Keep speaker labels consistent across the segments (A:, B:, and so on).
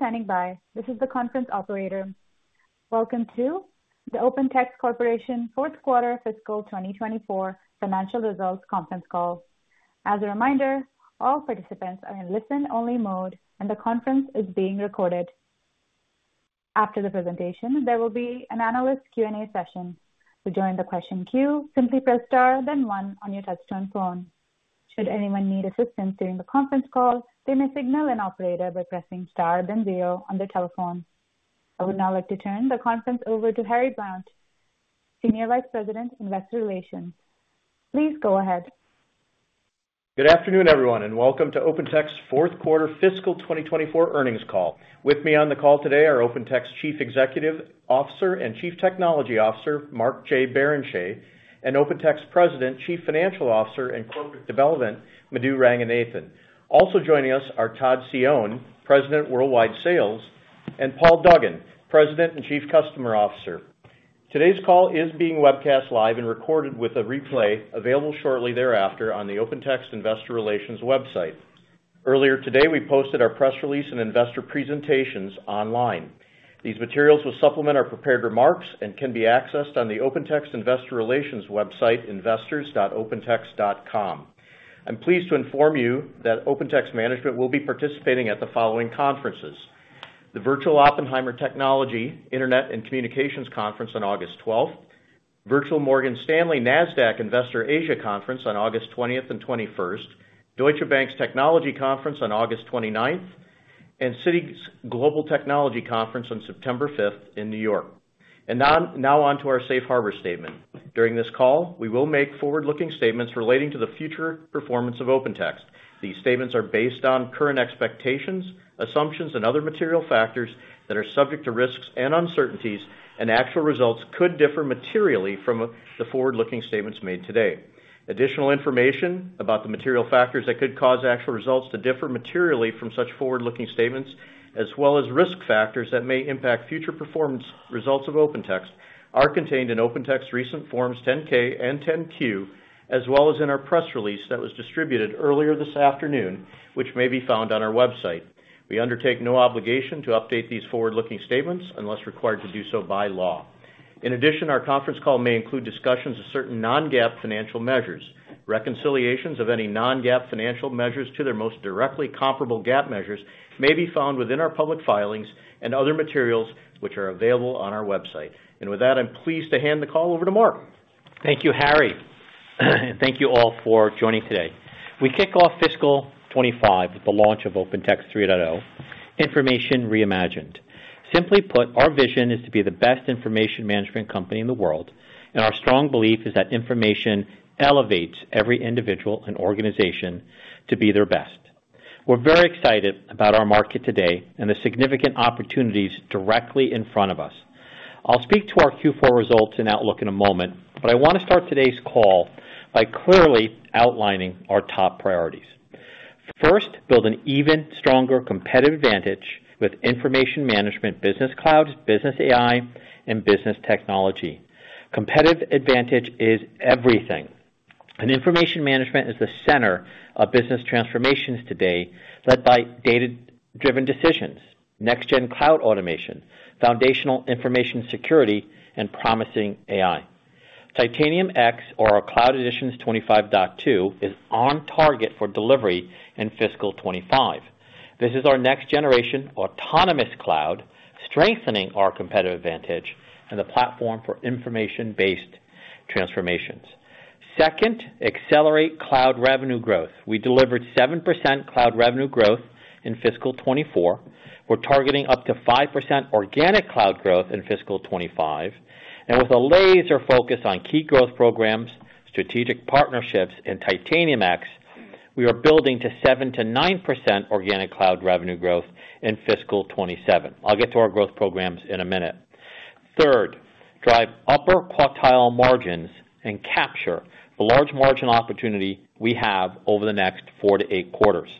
A: Thank you for standing by. This is the conference operator. Welcome to the OpenText Corporation fourth quarter fiscal 2024 financial results conference call. As a reminder, all participants are in listen-only mode, and the conference is being recorded. After the presentation, there will be an analyst Q&A session. To join the question queue, simply press star, then one on your touchtone phone. Should anyone need assistance during the conference call, they may signal an operator by pressing star then zero on their telephone. I would now like to turn the conference over to Harry Blount, Senior Vice President, Investor Relations. Please go ahead.
B: Good afternoon, everyone, and welcome to OpenText's fourth quarter fiscal 2024 earnings call. With me on the call today are OpenText's Chief Executive Officer and Chief Technology Officer, Mark J. Barrenechea, and OpenText President, Chief Financial Officer, and Head of Corporate Development, Madhu Ranganathan. Also joining us are Todd Cione, President, Worldwide Sales, and Paul Duggan, President and Chief Customer Officer. Today's call is being webcast live and recorded with a replay available shortly thereafter on the OpenText Investor Relations website. Earlier today, we posted our press release and investor presentations online. These materials will supplement our prepared remarks and can be accessed on the OpenText Investor Relations website, investors.opentext.com. I'm pleased to inform you that OpenText management will be participating at the following conferences: the Virtual Oppenheimer Technology, Internet and Communications Conference on August 12th, the Virtual Morgan Stanley NASDAQ Investor Asia Conference on August 20th and 21st, Deutsche Bank's Technology Conference on August 29th, and the Citi's Global Technology Conference on September 5th in New York. Now on to our safe harbor statement. During this call, we will make forward-looking statements relating to the future performance of OpenText. These statements are based on current expectations, assumptions, and other material factors that are subject to risks and uncertainties, and actual results could differ materially from the forward-looking statements made today. Additional information about the material factors that could cause actual results to differ materially from such forward-looking statements, as well as risk factors that may impact future performance results of OpenText, are contained in OpenText's recent Forms 10-K and 10-Q, as well as in our press release that was distributed earlier this afternoon, which may be found on our website. We undertake no obligation to update these forward-looking statements unless required to do so by law. In addition, our conference call may include discussions of certain non-GAAP financial measures. Reconciliations of any non-GAAP financial measures to their most directly comparable GAAP measures may be found within our public filings and other materials, which are available on our website. With that, I'm pleased to hand the call over to Mark.
C: Thank you, Harry. Thank you all for joining today. We kick off fiscal 2025 with the launch of OpenText 3.0, Information Reimagined. Simply put, our vision is to be the best information management company in the world, and our strong belief is that information elevates every individual and organization to be their best. We're very excited about our market today and the significant opportunities directly in front of us. I'll speak to our Q4 results and outlook in a moment, but I want to start today's call by clearly outlining our top priorities. First, build an even stronger competitive advantage with information management, business clouds, business AI, and business technology. Competitive advantage is everything, and information management is the center of business transformations today, led by data-driven decisions, next-gen cloud automation, foundational information security, and promising AI. Titanium X, or our Cloud Editions 25.2, is on target for delivery in fiscal 2025. This is our next-generation autonomous cloud, strengthening our competitive advantage and the platform for information-based transformations. Second, accelerate cloud revenue growth. We delivered 7% cloud revenue growth in fiscal 2024. We're targeting up to 5% organic cloud growth in fiscal 2025, and with a laser focus on key growth programs, strategic partnerships, and Titanium X, we are building to 7%-9% organic cloud revenue growth in fiscal 2027. I'll get to our growth programs in a minute. Third, drive upper quartile margins and capture the large margin opportunity we have over the next 4 to 8 quarters.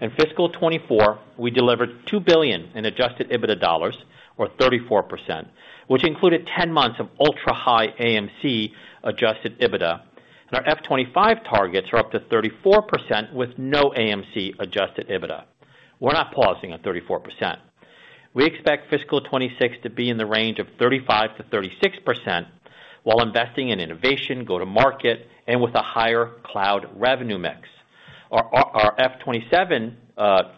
C: In fiscal 2024, we delivered $2 billion in Adjusted EBITDA, or 34%, which included 10 months of ultra-high AMC Adjusted EBITDA. Our FY 2025 targets are up to 34% with no AMC Adjusted EBITDA. We're not pausing at 34%. We expect fiscal 2026 to be in the range of 35%-36%, while investing in innovation, go-to-market, and with a higher cloud revenue mix. Our FY 2027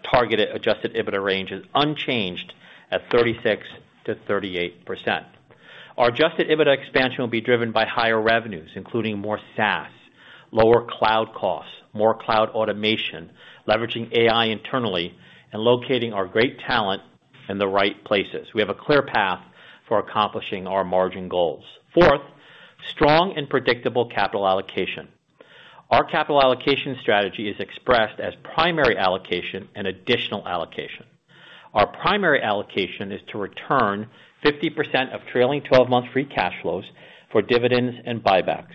C: targeted Adjusted EBITDA range is unchanged at 36%-38%. Our Adjusted EBITDA expansion will be driven by higher revenues, including more SaaS, lower cloud costs, more cloud automation, leveraging AI internally, and locating our great talent in the right places. We have a clear path for accomplishing our margin goals. Fourth, strong and predictable capital allocation. Our capital allocation strategy is expressed as primary allocation and additional allocation. Our primary allocation is to return 50% of trailing twelve-month free cash flows for dividends and buybacks.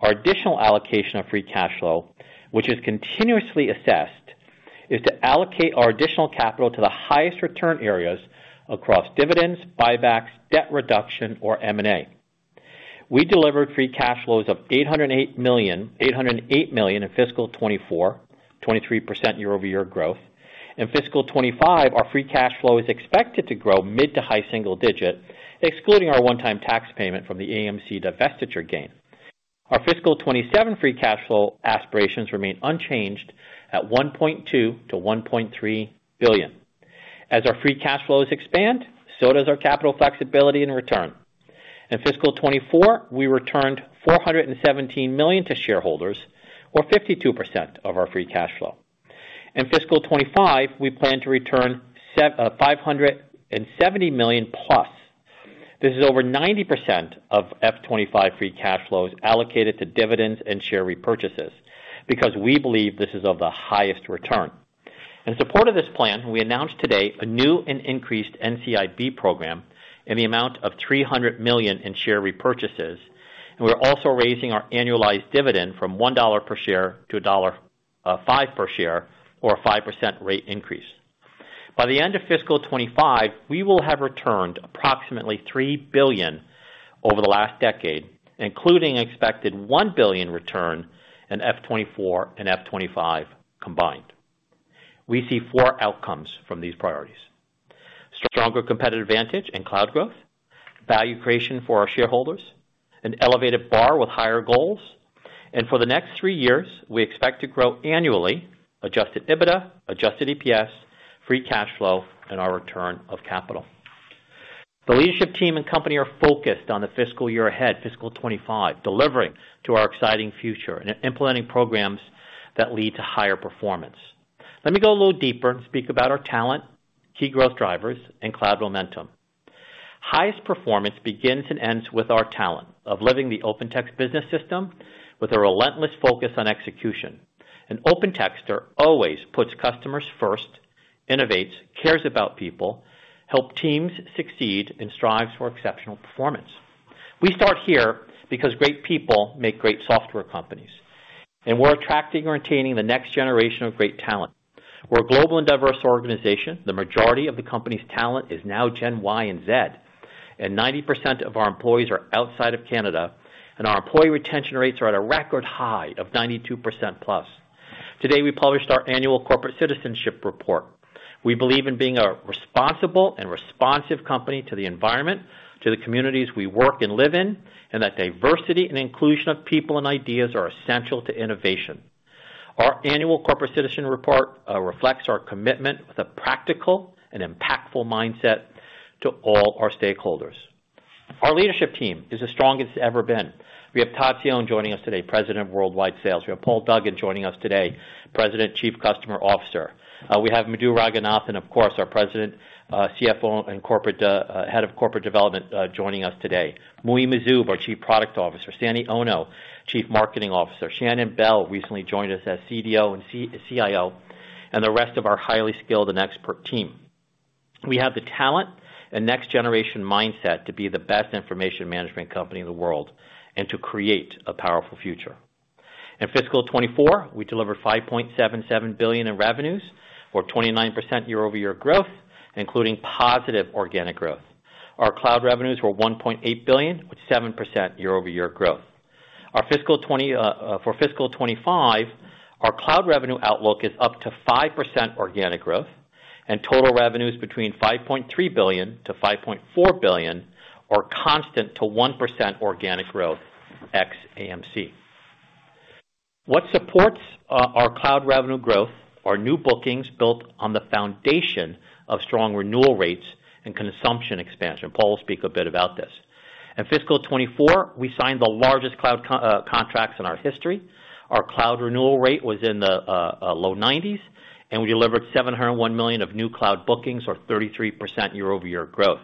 C: Our additional allocation of free cash flow, which is continuously assessed, is to allocate our additional capital to the highest return areas across dividends, buybacks, debt reduction, or M&A. We delivered free cash flows of $808 million, $808 million in fiscal 2024, 23% year-over-year growth. In fiscal 2025, our free cash flow is expected to grow mid- to high-single-digit, excluding our one-time tax payment from the AMC divestiture gain. Our fiscal 2027 free cash flow aspirations remain unchanged at $1.2 billion-$1.3 billion. As our free cash flows expand, so does our capital flexibility and return. In fiscal 2024, we returned $417 million to shareholders, or 52% of our free cash flow. In fiscal 2025, we plan to return $570 million plus. This is over 90% of FY 2025 free cash flows allocated to dividends and share repurchases, because we believe this is of the highest return. In support of this plan, we announced today a new and increased NCIB program in the amount of $300 million in share repurchases, and we're also raising our annualized dividend from $1 per share to $1.05 per share or a 5% rate increase. By the end of fiscal 2025, we will have returned approximately $3 billion over the last decade, including expected $1 billion return in FY 2024 and FY 2025 combined. We see four outcomes from these priorities: Stronger competitive advantage and cloud growth, value creation for our shareholders, an elevated bar with higher goals, and for the next three years, we expect to grow annually, Adjusted EBITDA, Adjusted EPS, free cash flow, and our return of capital. The leadership team and company are focused on the fiscal year ahead, fiscal 2025, delivering to our exciting future and implementing programs that lead to higher performance. Let me go a little deeper and speak about our talent, key growth drivers, and cloud momentum. Highest performance begins and ends with our talent of living the OpenText business system with a relentless focus on execution. An OpenTexter always puts customers first, innovates, cares about people, help teams succeed, and strives for exceptional performance. We start here because great people make great software companies, and we're attracting and retaining the next generation of great talent. We're a global and diverse organization. The majority of the company's talent is now Gen Y and Z, and 90% of our employees are outside of Canada, and our employee retention rates are at a record high of 92%+. Today, we published our annual corporate citizenship report. We believe in being a responsible and responsive company to the environment, to the communities we work and live in, and that diversity and inclusion of people and ideas are essential to innovation. Our annual corporate citizen report reflects our commitment with a practical and impactful mindset to all our stakeholders. Our leadership team is the strongest it's ever been. We have Todd Cione joining us today, President of Worldwide Sales. We have Paul Duggan joining us today, President, Chief Customer Officer. We have Madhu Ranganathan, of course, our President, CFO, and Head of Corporate Development, joining us today. Muhi Majzoub, our Chief Product Officer, Sandy Ono, Chief Marketing Officer. Shannon Bell recently joined us as CDO and CIO, and the rest of our highly skilled and expert team. We have the talent and next generation mindset to be the best information management company in the world and to create a powerful future. In fiscal 2024, we delivered $5.77 billion in revenues or 29% year-over-year growth, including positive organic growth. Our cloud revenues were $1.8 billion, with 7% year-over-year growth. Our fiscal twenty For fiscal 2025, our cloud revenue outlook is up to 5% organic growth, and total revenues between $5.3 billion-$5.4 billion, or constant to 1% organic growth ex AMC. What supports our cloud revenue growth are new bookings built on the foundation of strong renewal rates and consumption expansion. Paul will speak a bit about this. In fiscal 2024, we signed the largest cloud contracts in our history. Our cloud renewal rate was in the low 90s, and we delivered $701 million of new cloud bookings, or 33% year-over-year growth.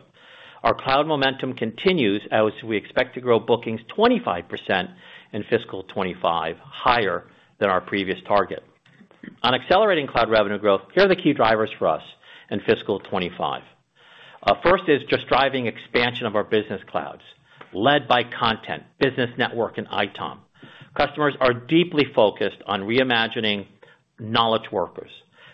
C: Our cloud momentum continues as we expect to grow bookings 25% in fiscal 2025, higher than our previous target. On accelerating cloud revenue growth, here are the key drivers for us in fiscal 2025. First is just driving expansion of our business clouds, led by content, business network, and ITOM. Customers are deeply focused on reimagining knowledge workers,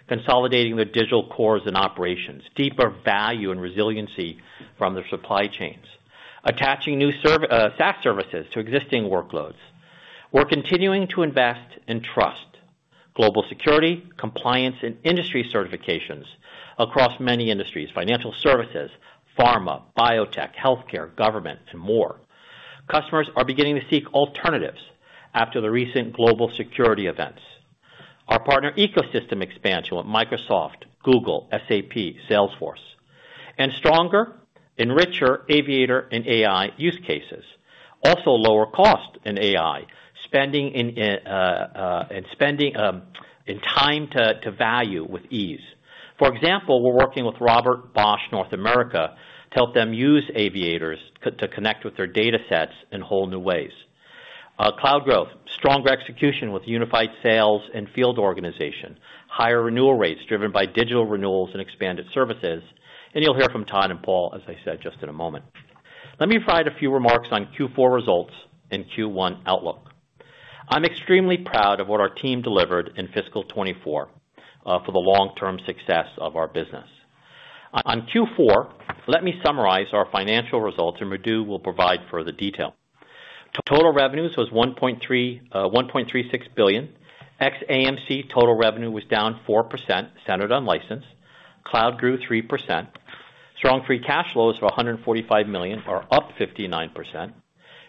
C: consolidating their digital cores and operations, deeper value and resiliency from their supply chains, attaching new SaaS services to existing workloads. We're continuing to invest in trust, global security, compliance, and industry certifications across many industries: financial services, pharma, biotech, healthcare, government, and more. Customers are beginning to seek alternatives after the recent global security events. Our partner ecosystem expansion with Microsoft, Google, SAP, Salesforce, and stronger and richer Aviator and AI use cases. Also, lower cost in AI spending in time to value with ease. For example, we're working with Robert Bosch North America to help them use Aviator to connect with their data sets in whole new ways. Cloud growth, stronger execution with unified sales and field organization, higher renewal rates driven by digital renewals and expanded services, and you'll hear from Todd and Paul, as I said, just in a moment. Let me provide a few remarks on Q4 results and Q1 outlook. I'm extremely proud of what our team delivered in fiscal 2024, for the long term success of our business. On Q4, let me summarize our financial results, and Madhu will provide further detail. Total revenues was $1.3, $1.36 billion. Ex AMC total revenue was down 4%, centered on license. Cloud grew 3%. Strong free cash flow is $145 million, or up 59%.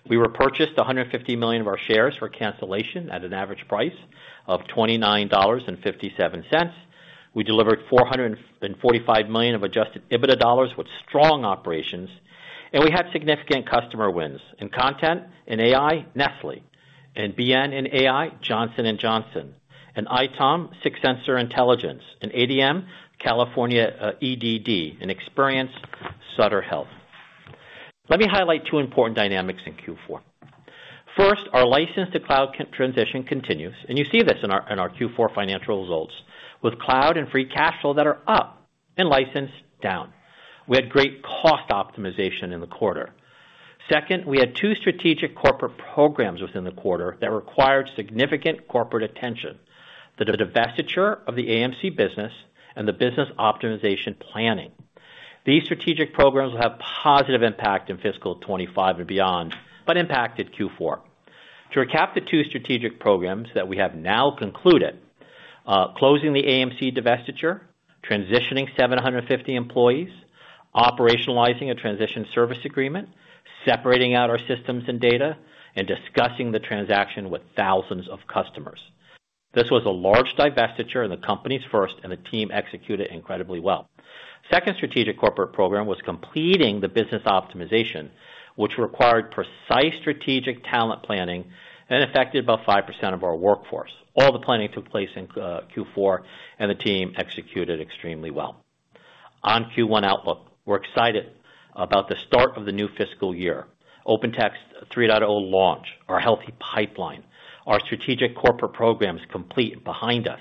C: We repurchased $150 million of our shares for cancellation at an average price of $29.57. We delivered $445 million of Adjusted EBITDA with strong operations, and we had significant customer wins in content, in AI, Nestlé, and BN in AI, Johnson & Johnson, and ITOM, SICK Sensor Intelligence, in ADM, California EDD, in Experience, Sutter Health. Let me highlight 2 important dynamics in Q4. First, our license to cloud transition continues, and you see this in our Q4 financial results with cloud and free cash flow that are up and license down. We had great cost optimization in the quarter. Second, we had 2 strategic corporate programs within the quarter that required significant corporate attention: the divestiture of the AMC business and the business optimization planning. These strategic programs will have positive impact in fiscal 2025 and beyond, but impacted Q4. To recap the two strategic programs that we have now concluded, closing the AMC divestiture, transitioning 750 employees, operationalizing a transition service agreement, separating out our systems and data, and discussing the transaction with thousands of customers. This was a large divestiture and the company's first, and the team executed incredibly well. Second strategic corporate program was completing the business optimization, which required precise strategic talent planning and affected about 5% of our workforce. All the planning took place in Q4, and the team executed extremely well. On Q1 outlook, we're excited about the start of the new fiscal year. OpenText 3.0 launch, our healthy pipeline, our strategic corporate programs complete and behind us,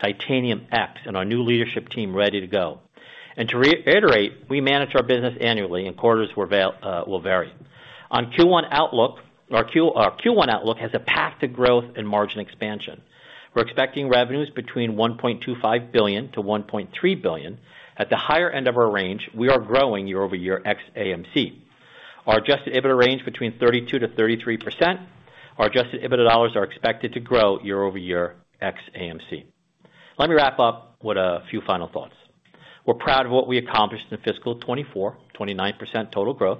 C: Titanium X, and our new leadership team ready to go. To re-iterate, we manage our business annually and quarters will vary. On Q1 outlook, our Q1 outlook has a path to growth and margin expansion. We're expecting revenues between $1.25 billion-$1.3 billion. At the higher end of our range, we are growing year-over-year ex AMC. Our Adjusted EBITDA range between 32%-33%. Our Adjusted EBITDA dollars are expected to grow year-over-year ex AMC. Let me wrap up with a few final thoughts. We're proud of what we accomplished in fiscal 2024, 29% total growth,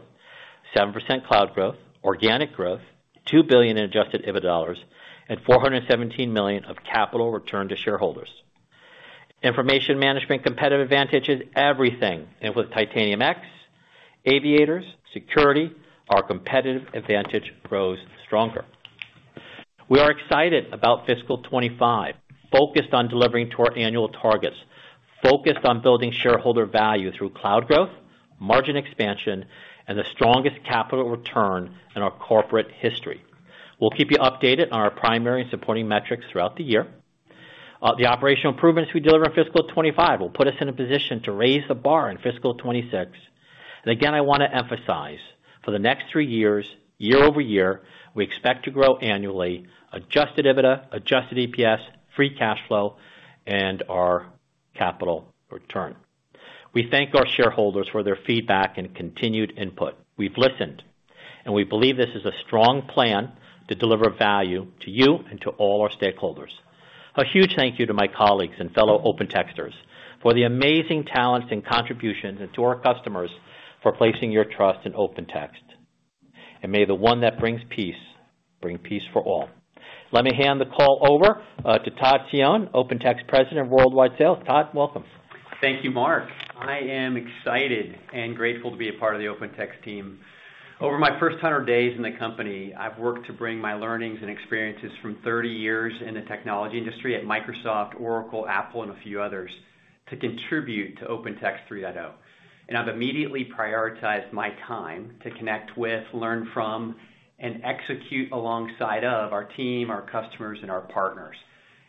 C: 7% cloud growth, organic growth, $2 billion in Adjusted EBITDA dollars, and $417 million of capital returned to shareholders. Information management competitive advantage is everything, and with Titanium X, Aviators, Security, our competitive advantage grows stronger. We are excited about fiscal 2025, focused on delivering to our annual targets, focused on building shareholder value through cloud growth, margin expansion, and the strongest capital return in our corporate history. We'll keep you updated on our primary and supporting metrics throughout the year. The operational improvements we deliver in fiscal 2025 will put us in a position to raise the bar in fiscal 2026. And again, I want to emphasize, for the next three years, year-over-year, we expect to grow annually, Adjusted EBITDA, Adjusted EPS, Free Cash Flow, and our Capital Return. We thank our shareholders for their feedback and continued input. We've listened, and we believe this is a strong plan to deliver value to you and to all our stakeholders. A huge thank you to my colleagues and fellow OpenTexters for the amazing talents and contributions, and to our customers for placing your trust in OpenText. And may the one that brings peace, bring peace for all. Let me hand the call over to Todd Cione, OpenText President of Worldwide Sales. Todd, welcome.
D: Thank you, Mark. I am excited and grateful to be a part of the OpenText team. Over my first 100 days in the company, I've worked to bring my learnings and experiences from 30 years in the technology industry at Microsoft, Oracle, Apple, and a few others to contribute to OpenText 3.0. I've immediately prioritized my time to connect with, learn from, and execute alongside of our team, our customers, and our partners.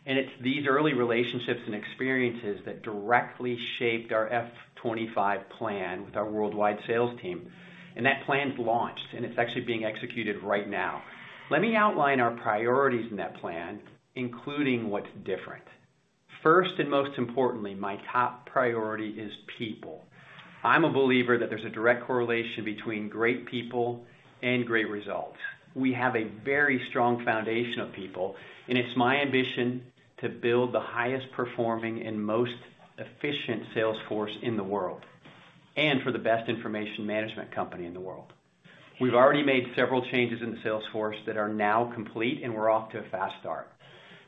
D: It's these early relationships and experiences that directly shaped our FY 2025 plan with our worldwide sales team. That plan's launched, and it's actually being executed right now. Let me outline our priorities in that plan, including what's different. First, and most importantly, my top priority is people. I'm a believer that there's a direct correlation between great people and great results. We have a very strong foundation of people, and it's my ambition to build the highest performing and most efficient sales force in the world, and for the best information management company in the world. We've already made several changes in the sales force that are now complete, and we're off to a fast start.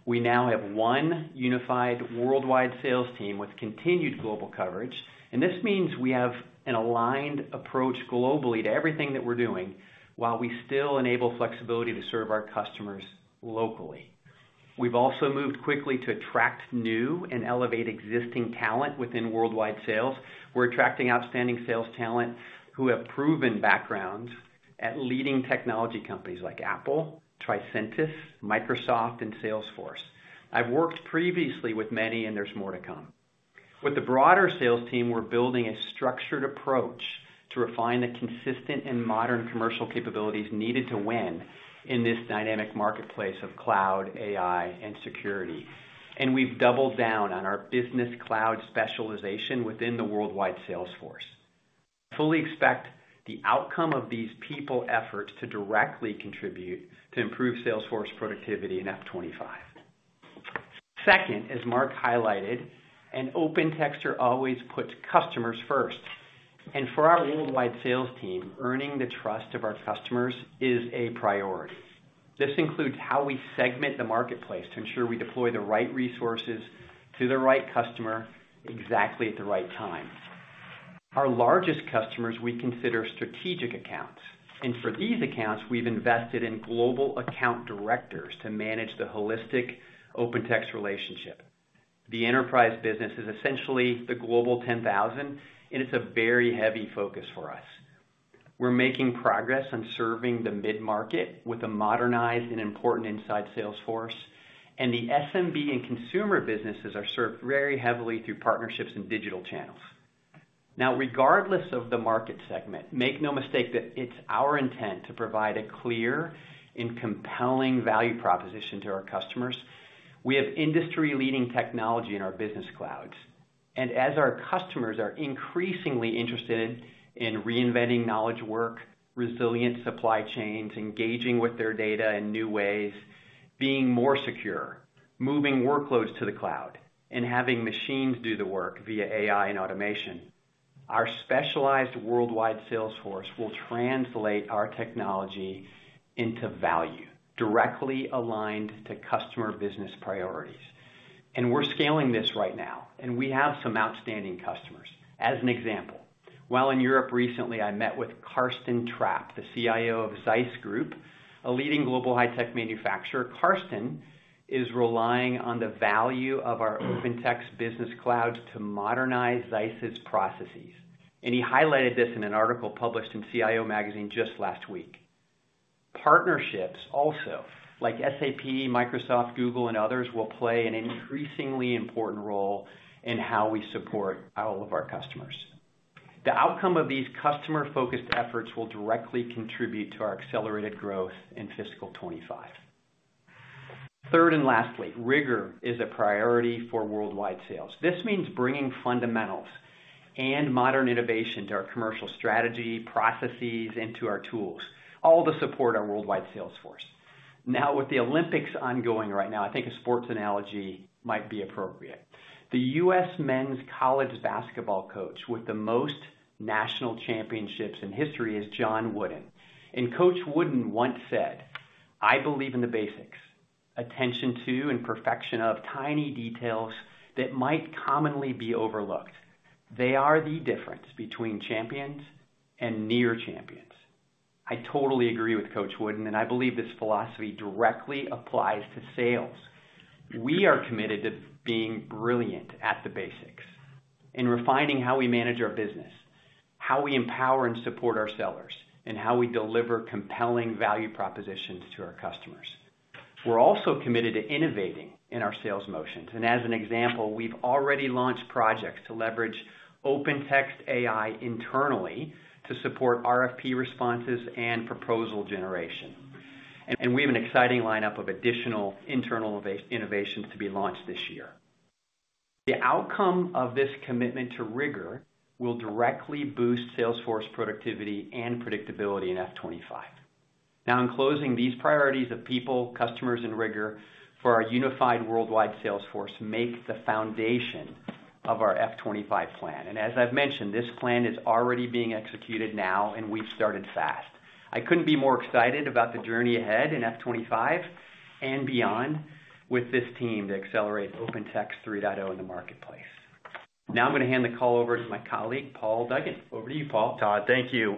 D: We now have one unified worldwide sales team with continued global coverage, and this means we have an aligned approach globally to everything that we're doing, while we still enable flexibility to serve our customers locally. We've also moved quickly to attract new and elevate existing talent within worldwide sales. We're attracting outstanding sales talent who have proven backgrounds at leading technology companies like Apple, Tricentis, Microsoft, and Salesforce. I've worked previously with many, and there's more to come. With the broader sales team, we're building a structured approach to refine the consistent and modern commercial capabilities needed to win in this dynamic marketplace of cloud, AI, and security. We've doubled down on our business cloud specialization within the worldwide sales force. Fully expect the outcome of these people efforts to directly contribute to improved sales force productivity in FY 2025. Second, as Mark highlighted, and OpenText always puts customers first, and for our worldwide sales team, earning the trust of our customers is a priority. This includes how we segment the marketplace to ensure we deploy the right resources to the right customer, exactly at the right time. Our largest customers, we consider strategic accounts, and for these accounts, we've invested in global account directors to manage the holistic OpenText relationship. The enterprise business is essentially the global 10,000, and it's a very heavy focus for us. We're making progress on serving the mid-market with a modernized and important inside sales force, and the SMB and consumer businesses are served very heavily through partnerships and digital channels. Now, regardless of the market segment, make no mistake that it's our intent to provide a clear and compelling value proposition to our customers. We have industry-leading technology in our business clouds, and as our customers are increasingly interested in reinventing knowledge work, resilient supply chains, engaging with their data in new ways, being more secure, moving workloads to the cloud, and having machines do the work via AI and automation, our specialized worldwide sales force will translate our technology into value, directly aligned to customer business priorities. And we're scaling this right now, and we have some outstanding customers. As an example, while in Europe recently, I met with Carsten Trapp, the CIO of Zeiss Group, a leading global high-tech manufacturer. Carsten is relying on the value of our OpenText Business Cloud to modernize Zeiss's processes, and he highlighted this in an article published in CIO Magazine just last week. Partnerships also, like SAP, Microsoft, Google, and others, will play an increasingly important role in how we support all of our customers. The outcome of these customer-focused efforts will directly contribute to our accelerated growth in fiscal 2025. Third, and lastly, rigor is a priority for worldwide sales. This means bringing fundamentals and modern innovation to our commercial strategy, processes, into our tools, all to support our worldwide sales force. Now, with the Olympics ongoing right now, I think a sports analogy might be appropriate. The U.S. Men's College basketball coach with the most national championships in history is John Wooden, and Coach Wooden once said, "I believe in the basics. Attention to and perfection of tiny details that might commonly be overlooked. They are the difference between champions and near champions." I totally agree with Coach Wooden, and I believe this philosophy directly applies to sales. We are committed to being brilliant at the basics and refining how we manage our business, how we empower and support our sellers, and how we deliver compelling value propositions to our customers. We're also committed to innovating in our sales motions, and as an example, we've already launched projects to leverage OpenText AI internally to support RFP responses and proposal generation. We have an exciting lineup of additional internal innovations to be launched this year. The outcome of this commitment to rigor will directly boost sales force, productivity, and predictability in FY 2025. Now, in closing, these priorities of people, customers, and rigor for our unified worldwide sales force make the foundation of our FY 2025. As I've mentioned, this plan is already being executed now, and we've started fast. I couldn't be more excited about the journey ahead in FY 2025 and beyond with this team to accelerate OpenText 3.0 in the marketplace. Now I'm gonna hand the call over to my colleague, Paul Duggan. Over to you, Paul.
E: Todd, thank you.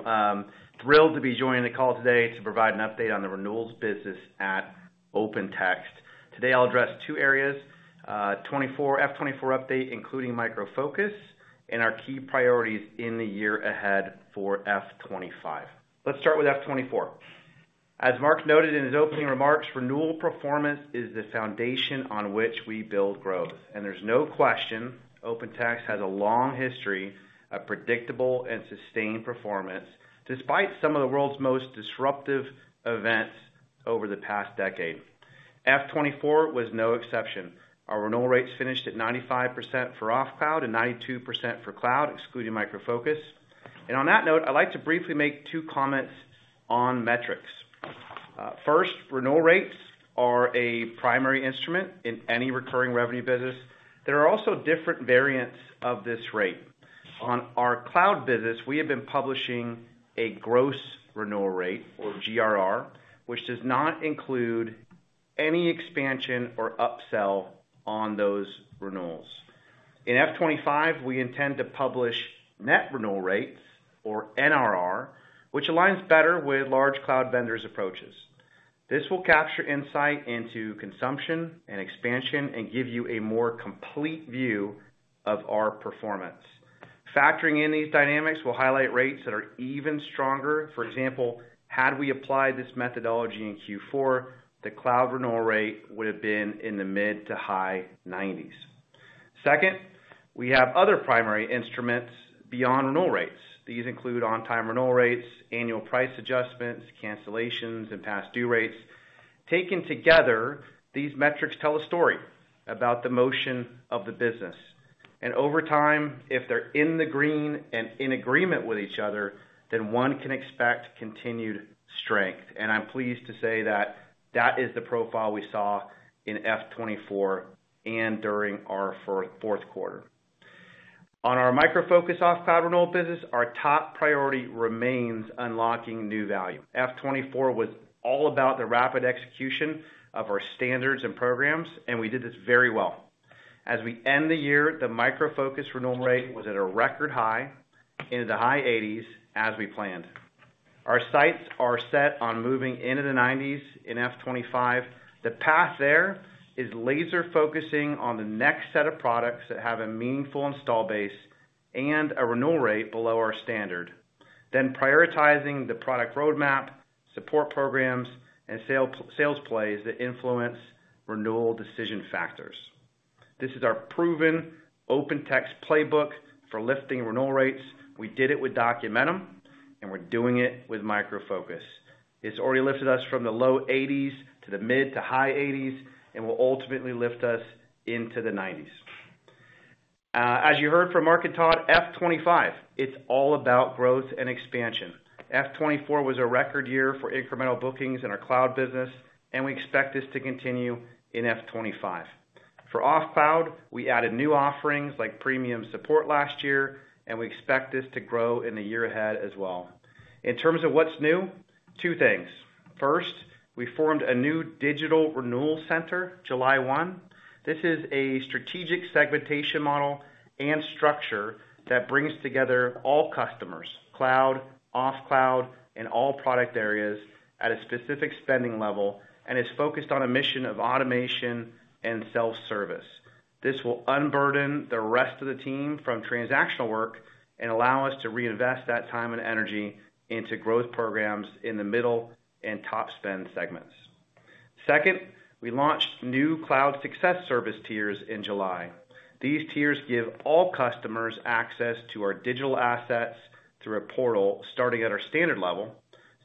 E: Thrilled to be joining the call today to provide an update on the renewals business at OpenText. Today, I'll address two areas, 2024—FY 2024 update, including Micro Focus, and our key priorities in the year ahead for FY 2025. Let's start with FY 2024. As Mark noted in his opening remarks, renewal performance is the foundation on which we build growth, and there's no question OpenText has a long history of predictable and sustained performance, despite some of the world's most disruptive events over the past decade. F24 was no exception. Our renewal rates finished at 95% for off-cloud and 92% for cloud, excluding Micro Focus. And on that note, I'd like to briefly make two comments on metrics. First, renewal rates are a primary instrument in any recurring revenue business. There are also different variants of this rate. In our cloud business, we have been publishing a gross renewal rate, or GRR, which does not include any expansion or upsell on those renewals. In FY 2025, we intend to publish net renewal rates, or NRR, which align better with large cloud vendors' approaches. This will capture insight into consumption and expansion and give you a more complete view of our performance. Factoring in these dynamics will highlight rates that are even stronger. For example, had we applied this methodology in Q4, the cloud renewal rate would have been in the mid- to high 90s. Second, we have other primary instruments beyond renewal rates. These include on-time renewal rates, annual price adjustments, cancellations, and past due rates. Taken together, these metrics tell a story about the motion of the business, and over time, if they're in the green and in agreement with each other, then one can expect continued strength. And I'm pleased to say that that is the profile we saw in F24 and during our fourth quarter. On our Micro Focus off cloud renewal business, our top priority remains unlocking new value. F24 was all about the rapid execution of our standards and programs, and we did this very well. As we end the year, the Micro Focus renewal rate was at a record high, into the high 80s, as we planned. Our sights are set on moving into the 90s in F25. The path there is laser-focused on the next set of products that have a meaningful install base and a renewal rate below our standard, then prioritizing the product roadmap, support programs, and sales plays that influence renewal decision factors. This is our proven OpenText playbook for lifting renewal rates. We did it with Documentum, and we're doing it with Micro Focus. It's already lifted us from the low 80s to the mid- to high 80s and will ultimately lift us into the 90s. As you heard from Mark and Todd, FY 2025, it's all about growth and expansion. FY 2024 was a record year for incremental bookings in our cloud business, and we expect this to continue in FY 2025. For off-cloud, we added new offerings like premium support last year, and we expect this to grow in the year ahead as well. In terms of what's new, two things. First, we formed a new Digital Renewal Center, July 1. This is a strategic segmentation model and structure that brings together all customers, cloud, off-cloud and all product areas at a specific spending level, and is focused on a mission of automation and self-service. This will unburden the rest of the team from transactional work and allow us to reinvest that time and energy into growth programs in the middle and top spend segments. Second, we launched new Cloud Success Service tiers in July. These tiers give all customers access to our digital assets through a portal starting at our standard level,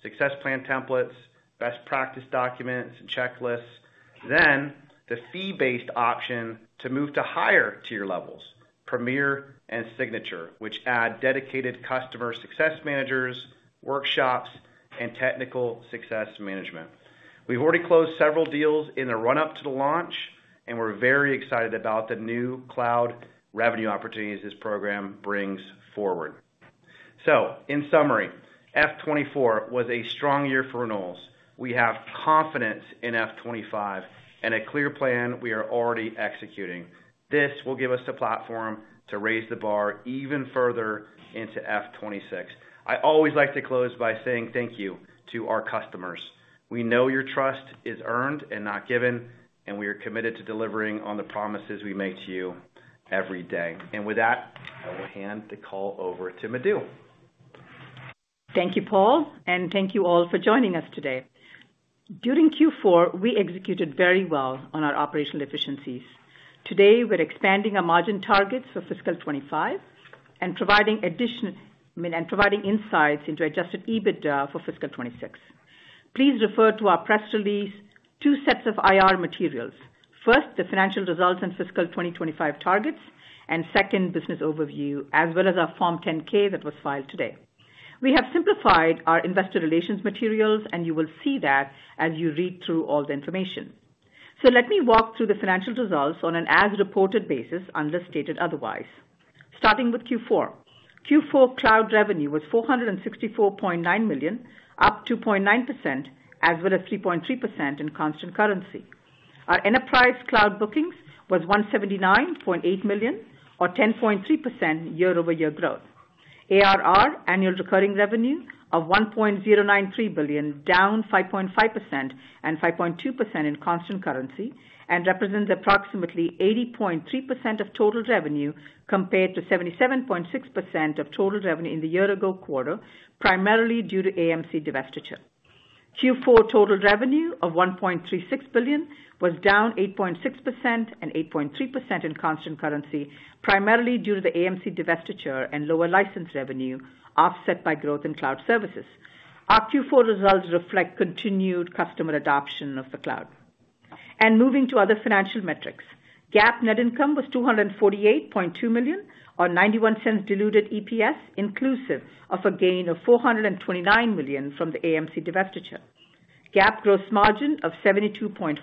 E: Success Plan templates, best practice documents, and checklists. Then, the fee-based option to move to higher tier levels, Premier and Signature, which add dedicated Customer Success Managers, workshops, and technical success management. We've already closed several deals in the run-up to the launch, and we're very excited about the new cloud revenue opportunities this program brings forward. So in summary, FY 2024 was a strong year for renewals. We have confidence in FY 2025 and a clear plan we are already executing. This will give us the platform to raise the bar even further into FY 2026. I always like to close by saying thank you to our customers. We know your trust is earned and not given, and we are committed to delivering on the promises we make to you every day. And with that, I will hand the call over to Madhu.
F: Thank you, Paul, and thank you all for joining us today. During Q4, we executed very well on our operational efficiencies. Today, we're expanding our margin targets for fiscal 2025 and providing insights into Adjusted EBITDA for fiscal 2026. Please refer to our press release, two sets of IR materials. First, the financial results and fiscal 2025 targets, and second, business overview, as well as our Form 10-K that was filed today. We have simplified our investor relations materials, and you will see that as you read through all the information. So let me walk through the financial results on an as-reported basis, unless stated otherwise. Starting with Q4. Q4 cloud revenue was $464.9 million, up 2.9%, as well as 3.3% in constant currency. Our enterprise cloud bookings was $179.8 million, or 10.3% year-over-year growth. ARR, annual recurring revenue, of $1.093 billion, down 5.5% and 5.2% in constant currency, and represents approximately 80.3% of total revenue, compared to 77.6% of total revenue in the year-ago quarter, primarily due to AMC divestiture. Q4 total revenue of $1.36 billion was down 8.6% and 8.3% in constant currency, primarily due to the AMC divestiture and lower license revenue, offset by growth in cloud services. Our Q4 results reflect continued customer adoption of the cloud. And moving to other financial metrics. GAAP net income was $248.2 million, or $0.91 diluted EPS, inclusive of a gain of $429 million from the AMC divestiture. GAAP gross margin of 72.5%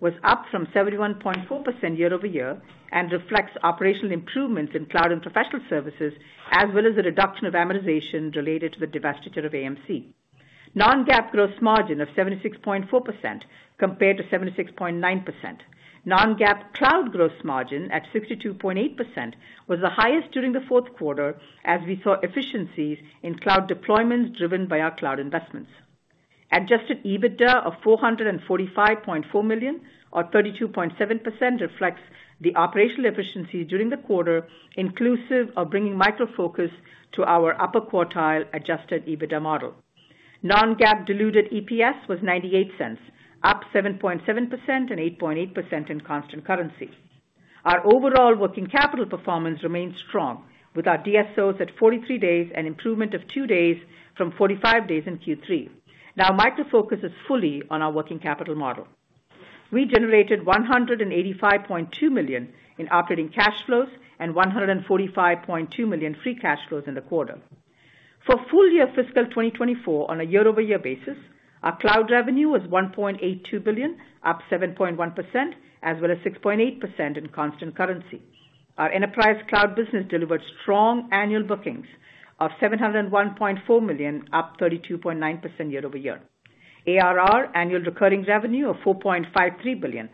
F: was up from 71.4% year-over-year and reflects operational improvements in cloud and professional services, as well as the reduction of amortization related to the divestiture of AMC. Non-GAAP gross margin of 76.4% compared to 76.9%. Non-GAAP cloud gross margin at 62.8% was the highest during the fourth quarter, as we saw efficiencies in cloud deployments driven by our cloud investments. Adjusted EBITDA of $445.4 million, or 32.7%, reflects the operational efficiency during the quarter, inclusive of bringing Micro Focus to our upper quartile Adjusted EBITDA model. Non-GAAP diluted EPS was $0.98, up 7.7% and 8.8% in constant currency. Our overall working capital performance remains strong, with our DSOs at 43 days, an improvement of 2 days from 45 days in Q3. Now, Micro Focus is fully on our working capital model. We generated $185.2 million in operating cash flows and $145.2 million free cash flows in the quarter. For full year fiscal 2024, on a year-over-year basis, our cloud revenue was $1.82 billion, up 7.1%, as well as 6.8% in constant currency. Our enterprise cloud business delivered strong annual bookings of $701.4 million, up 32.9% year-over-year. ARR, annual recurring revenue, of $4.53 billion,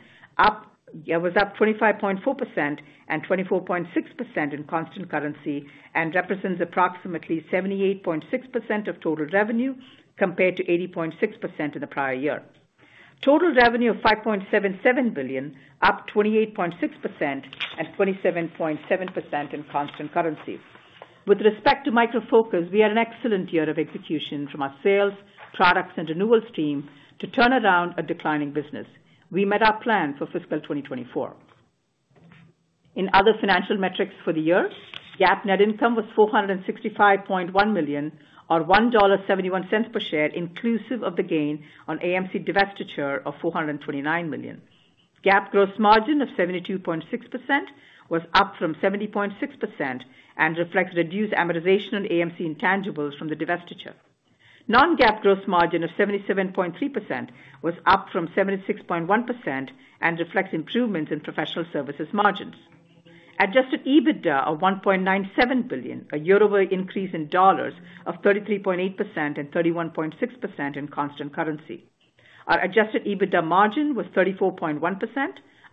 F: was up 25.4% and 24.6% in constant currency, and represents approximately 78.6% of total revenue, compared to 80.6% in the prior year. Total revenue of $5.7 billion, up 28.6% and 27.7% in constant currency. With respect to Micro Focus, we had an excellent year of execution from our sales, products, and renewals team to turn around a declining business. We met our plan for fiscal 2024. In other financial metrics for the year, GAAP net income was $465.1 million, or $1.71 per share, inclusive of the gain on AMC divestiture of $429 million. GAAP gross margin of 72.6% was up from 70.6% and reflects reduced amortization on AMC intangibles from the divestiture. Non-GAAP gross margin of 77.3% was up from 76.1% and reflects improvements in professional services margins. Adjusted EBITDA of $1.97 billion, a year-over-year increase in dollars of 33.8% and 31.6% in constant currency. Our Adjusted EBITDA margin was 34.1%,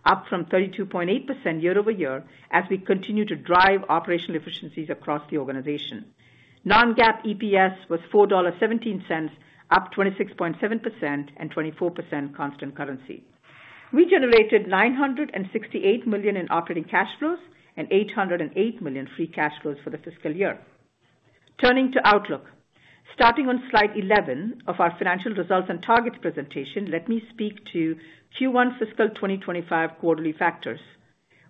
F: up from 32.8% year-over-year, as we continue to drive operational efficiencies across the organization. Non-GAAP EPS was $4.17, up 26.7% and 24% constant currency. We generated $968 million in operating cash flows and $808 million free cash flows for the fiscal year. Turning to outlook. Starting on slide 11 of our financial results and targets presentation, let me speak to Q1 fiscal 2025 quarterly factors.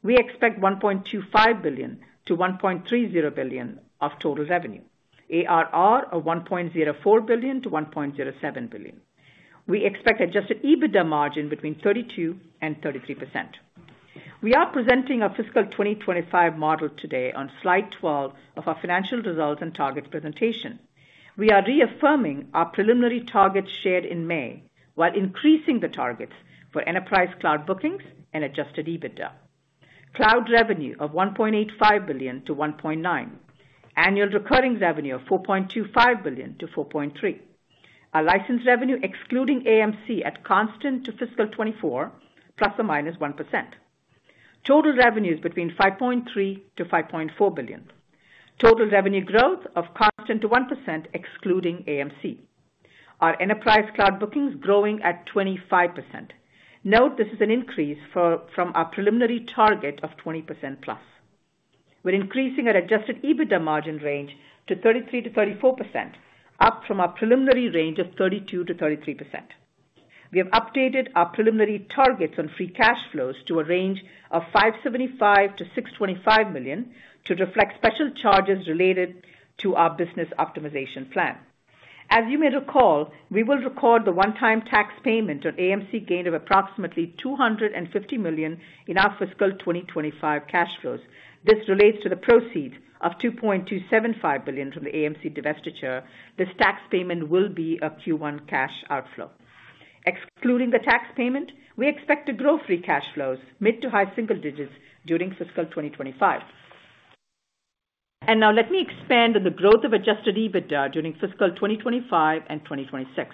F: We expect $1.25 billion-$1.30 billion of total revenue, ARR of $1.04 billion-$1.07 billion. We expect Adjusted EBITDA margin between 32%-33%. We are presenting our fiscal 2025 model today on slide 12 of our financial results and targets presentation. We are reaffirming our preliminary targets shared in May, while increasing the targets for enterprise cloud bookings and Adjusted EBITDA. Cloud revenue of $1.85 billion-$1.9 billion. Annual recurring revenue of $4.25 billion-$4.3 billion. Our licensed revenue, excluding AMC, at constant currency to fiscal 2024, ±1%. Total revenues between $5.3 billion-$5.4 billion. Total revenue growth of constant currency 0%-1%, excluding AMC. Our enterprise cloud bookings growing at 25%. Note, this is an increase from our preliminary target of 20%+. We're increasing our Adjusted EBITDA margin range to 33%-34%, up from our preliminary range of 32%-33%. We have updated our preliminary targets on free cash flows to a range of $575 million-$625 million, to reflect special charges related to our business optimization plan. As you may recall, we will record the one-time tax payment on AMC gain of approximately $250 million in our fiscal 2025 cash flows. This relates to the proceeds of $2.275 billion from the AMC divestiture. This tax payment will be a Q1 cash outflow. Excluding the tax payment, we expect to grow free cash flows mid- to high-single digits during fiscal 2025. Now let me expand on the growth of Adjusted EBITDA during fiscal 2025 and 2026.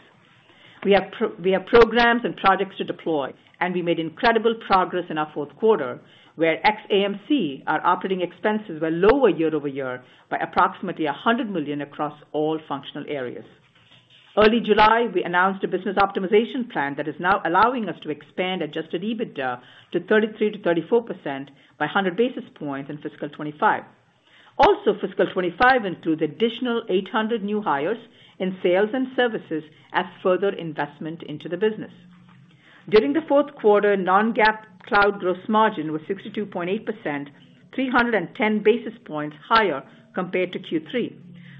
F: We have programs and projects to deploy, and we made incredible progress in our fourth quarter, where ex AMC, our operating expenses were lower year-over-year by approximately $100 million across all functional areas. Early July, we announced a business optimization plan that is now allowing us to expand Adjusted EBITDA to 33%-34% by 100 basis points in fiscal 2025. Also, fiscal 2025 includes additional 800 new hires in sales and services as further investment into the business. During the fourth quarter, non-GAAP cloud gross margin was 62.8%, 310 basis points higher compared to Q3.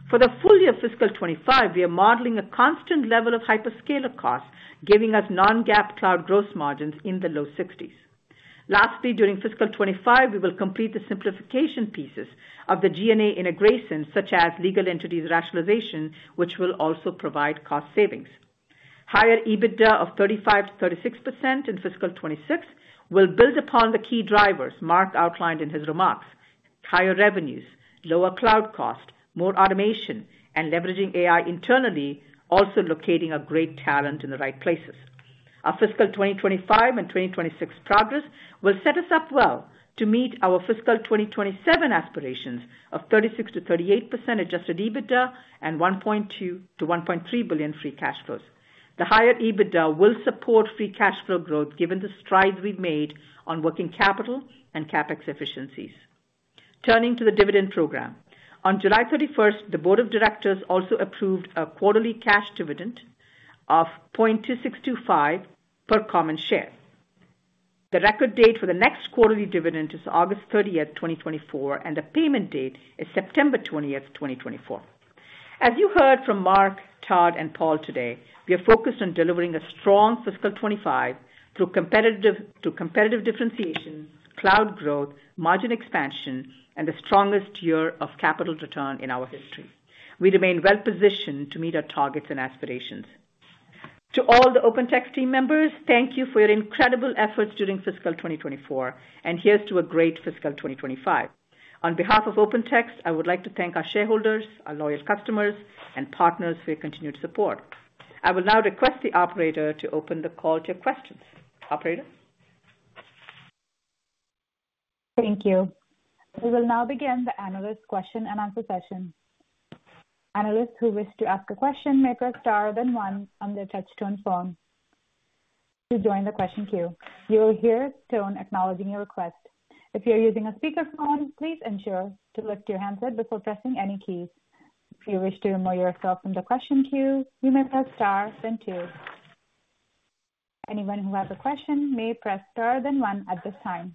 F: For the full year fiscal 2025, we are modeling a constant level of hyperscaler costs, giving us non-GAAP cloud gross margins in the low 60s. Lastly, during fiscal 2025, we will complete the simplification pieces of the G&A integration, such as legal entity rationalization, which will also provide cost savings. Higher EBITDA of 35%-36% in fiscal 2026 will build upon the key drivers Mark outlined in his remarks: higher revenues, lower cloud cost, more automation, and leveraging AI internally, also locating a great talent in the right places. Our fiscal 2025 and 2026 progress will set us up well to meet our fiscal 2027 aspirations of 36%-38% Adjusted EBITDA and $1.2 billion-$1.3 billion free cash flows. The higher EBITDA will support free cash flow growth, given the strides we've made on working capital and CapEx efficiencies. Turning to the dividend program. On July 31st, the board of directors also approved a quarterly cash dividend of $0.2625 per common share. The record date for the next quarterly dividend is August 30th, 2024, and the payment date is September 20th, 2024. As you heard from Mark, Todd, and Paul today, we are focused on delivering a strong fiscal 2025 through competitive differentiation, cloud growth, margin expansion, and the strongest year of capital return in our history. We remain well positioned to meet our targets and aspirations. To all the OpenText team members, thank you for your incredible efforts during fiscal 2024, and here's to a great fiscal 2025. On behalf of OpenText, I would like to thank our shareholders, our loyal customers, and partners for your continued support. I will now request the operator to open the call to questions. Operator?
A: Thank you. We will now begin the analyst question and answer session. Analysts who wish to ask a question may press star, then one on their touchtone phone to join the question queue. You will hear a tone acknowledging your request. If you're using a speakerphone, please ensure to lift your handset before pressing any keys. If you wish to remove yourself from the question queue, you may press star then two. Anyone who has a question may press star then one at this time.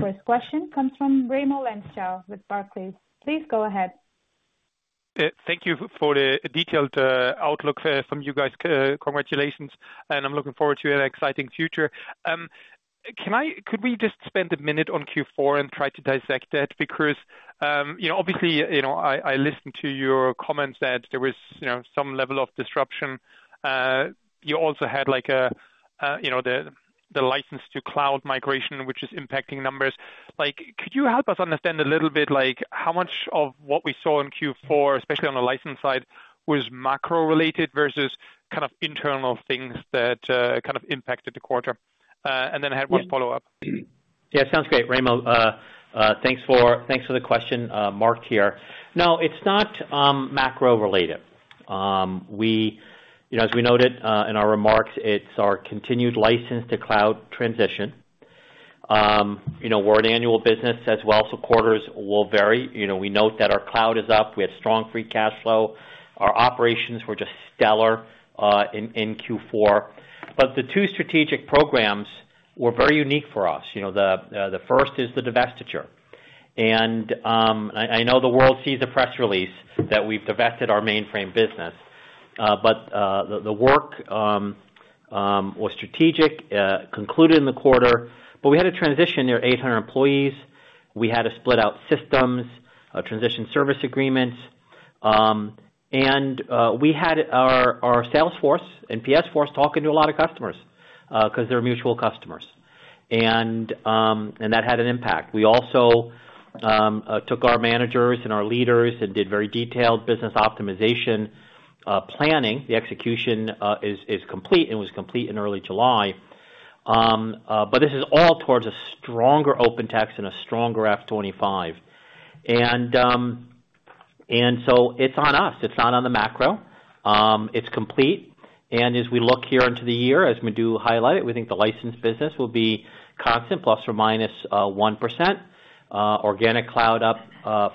A: First question comes from Raimo Lenschow with Barclays. Please go ahead.
G: Thank you for the detailed outlook from you guys. Congratulations, and I'm looking forward to an exciting future. Could we just spend a minute on Q4 and try to dissect that? Because, you know, obviously, you know, I listened to your comments that there was, you know, some level of disruption. You also had like a, you know, the license to cloud migration, which is impacting numbers. Like, could you help us understand a little bit like how much of what we saw in Q4, especially on the license side, was macro-related versus kind of internal things that kind of impacted the quarter? And then I had one follow-up.
C: Yeah, sounds great, Raimo. Thanks for the question, Mark here. No, it's not macro-related. You know, as we noted in our remarks, it's our continued license to cloud transition. You know, we're an annual business as well, so quarters will vary. You know, we note that our cloud is up, we had strong free cash flow. Our operations were just stellar in Q4. But the two strategic programs were very unique for us. You know, the first is the divestiture, and I know the world sees a press release that we've divested our mainframe business, but the work was strategic concluded in the quarter, but we had to transition near 800 employees. We had to split out systems, transition service agreements, and we had our sales force and PS force talking to a lot of customers, 'cause they're mutual customers. And that had an impact. We also took our managers and our leaders and did very detailed business optimization planning. The execution is complete and was complete in early July. But this is all towards a stronger OpenText and a stronger FY 2025. And so it's on us, it's not on the macro.It's complete, and as we look here into the year, as Madhu highlighted, we think the license business will be constant ±1%, organic cloud up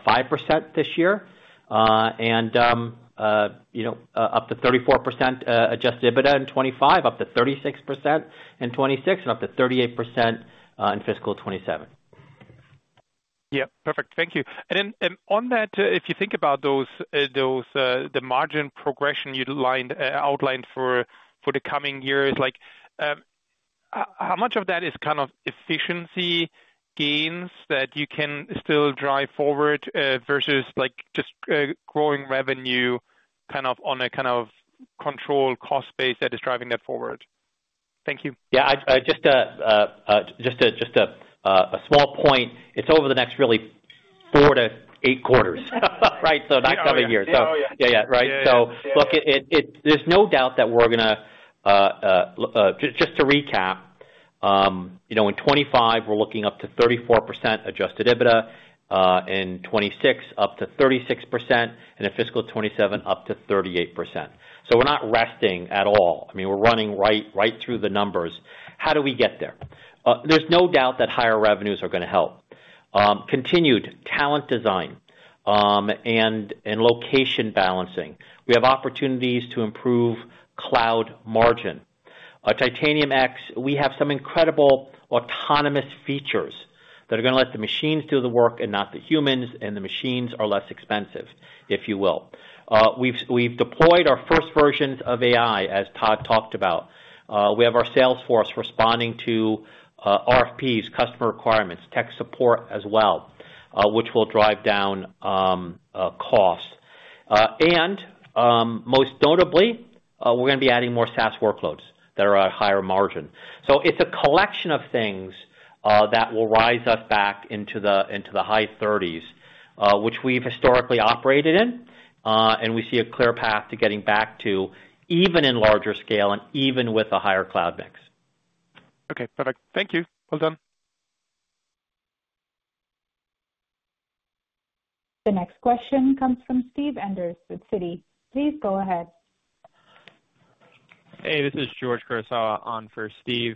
C: 5% this year, and, you know, up to 34% Adjusted EBITDA in 2025, up to 36% in 2026, and up to 38% in fiscal 2027.
G: Yeah, perfect. Thank you. And then, on that, if you think about those, the margin progression you'd outlined for the coming years, like, how much of that is kind of efficiency gains that you can still drive forward, versus like just growing revenue, kind of on a kind of controlled cost base that is driving that forward? Thank you.
C: Yeah, just a small point. It's over the next really 4-8 quarters, right? So not 7 years.
G: Oh, yeah.
C: Yeah, yeah. Right?
G: Yeah, yeah.
C: So look, there's no doubt that we're gonna just to recap, you know, in 2025, we're looking up to 34% Adjusted EBITDA, in 2026, up to 36%, and in fiscal 2027, up to 38%. So we're not resting at all. I mean, we're running right through the numbers. How do we get there? There's no doubt that higher revenues are gonna help. Continued talent design and location balancing. We have opportunities to improve cloud margin. Titanium X, we have some incredible autonomous features that are gonna let the machines do the work and not the humans, and the machines are less expensive, if you will. We've deployed our first versions of AI, as Todd talked about. We have our sales force responding to RFPs, customer requirements, tech support as well, which will drive down costs. And most notably, we're gonna be adding more SaaS workloads that are at a higher margin. So it's a collection of things that will rise us back into the high thirties, which we've historically operated in. And we see a clear path to getting back to even in larger scale and even with a higher cloud mix.
G: Okay, perfect. Thank you. Well done.
A: The next question comes from Steve Enders with Citi. Please go ahead.
H: Hey, this is George Kurosawa on for Steve.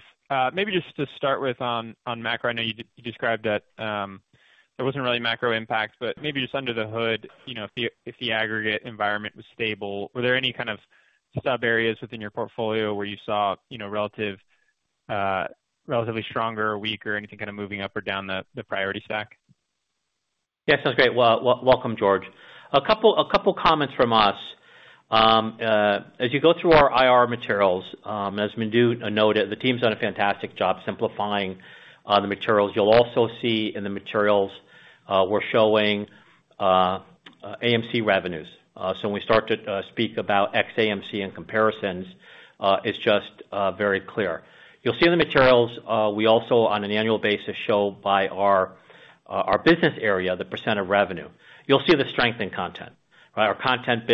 H: Maybe just to start with on macro, I know you described that there wasn't really macro impact, but maybe just under the hood, you know, if the aggregate environment was stable, were there any kind of sub-areas within your portfolio where you saw, you know, relatively stronger or weaker, anything kind of moving up or down the priority stack?
C: Yeah, sounds great. Well, welcome, George. A couple comments from us. As you go through our IR materials, as Madhu noted, the team's done a fantastic job simplifying the materials. You'll also see in the materials, we're showing AMC revenues. So when we start to speak about ex AMC and comparisons, it's just very clear. You'll see in the materials, we also, on an annual basis, show by our business area, the % of revenue. You'll see the strength in content, right? Our content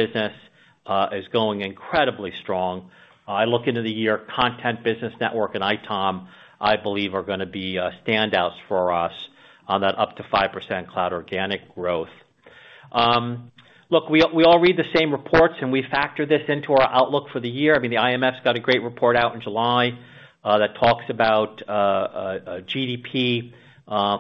C: business is going incredibly strong. I look into the year, content, business network and ITOM, I believe are gonna be standouts for us on that up to 5% cloud organic growth. Look, we all, we all read the same reports, and we factor this into our outlook for the year. I mean, the IMF's got a great report out in July, that talks about, GDP,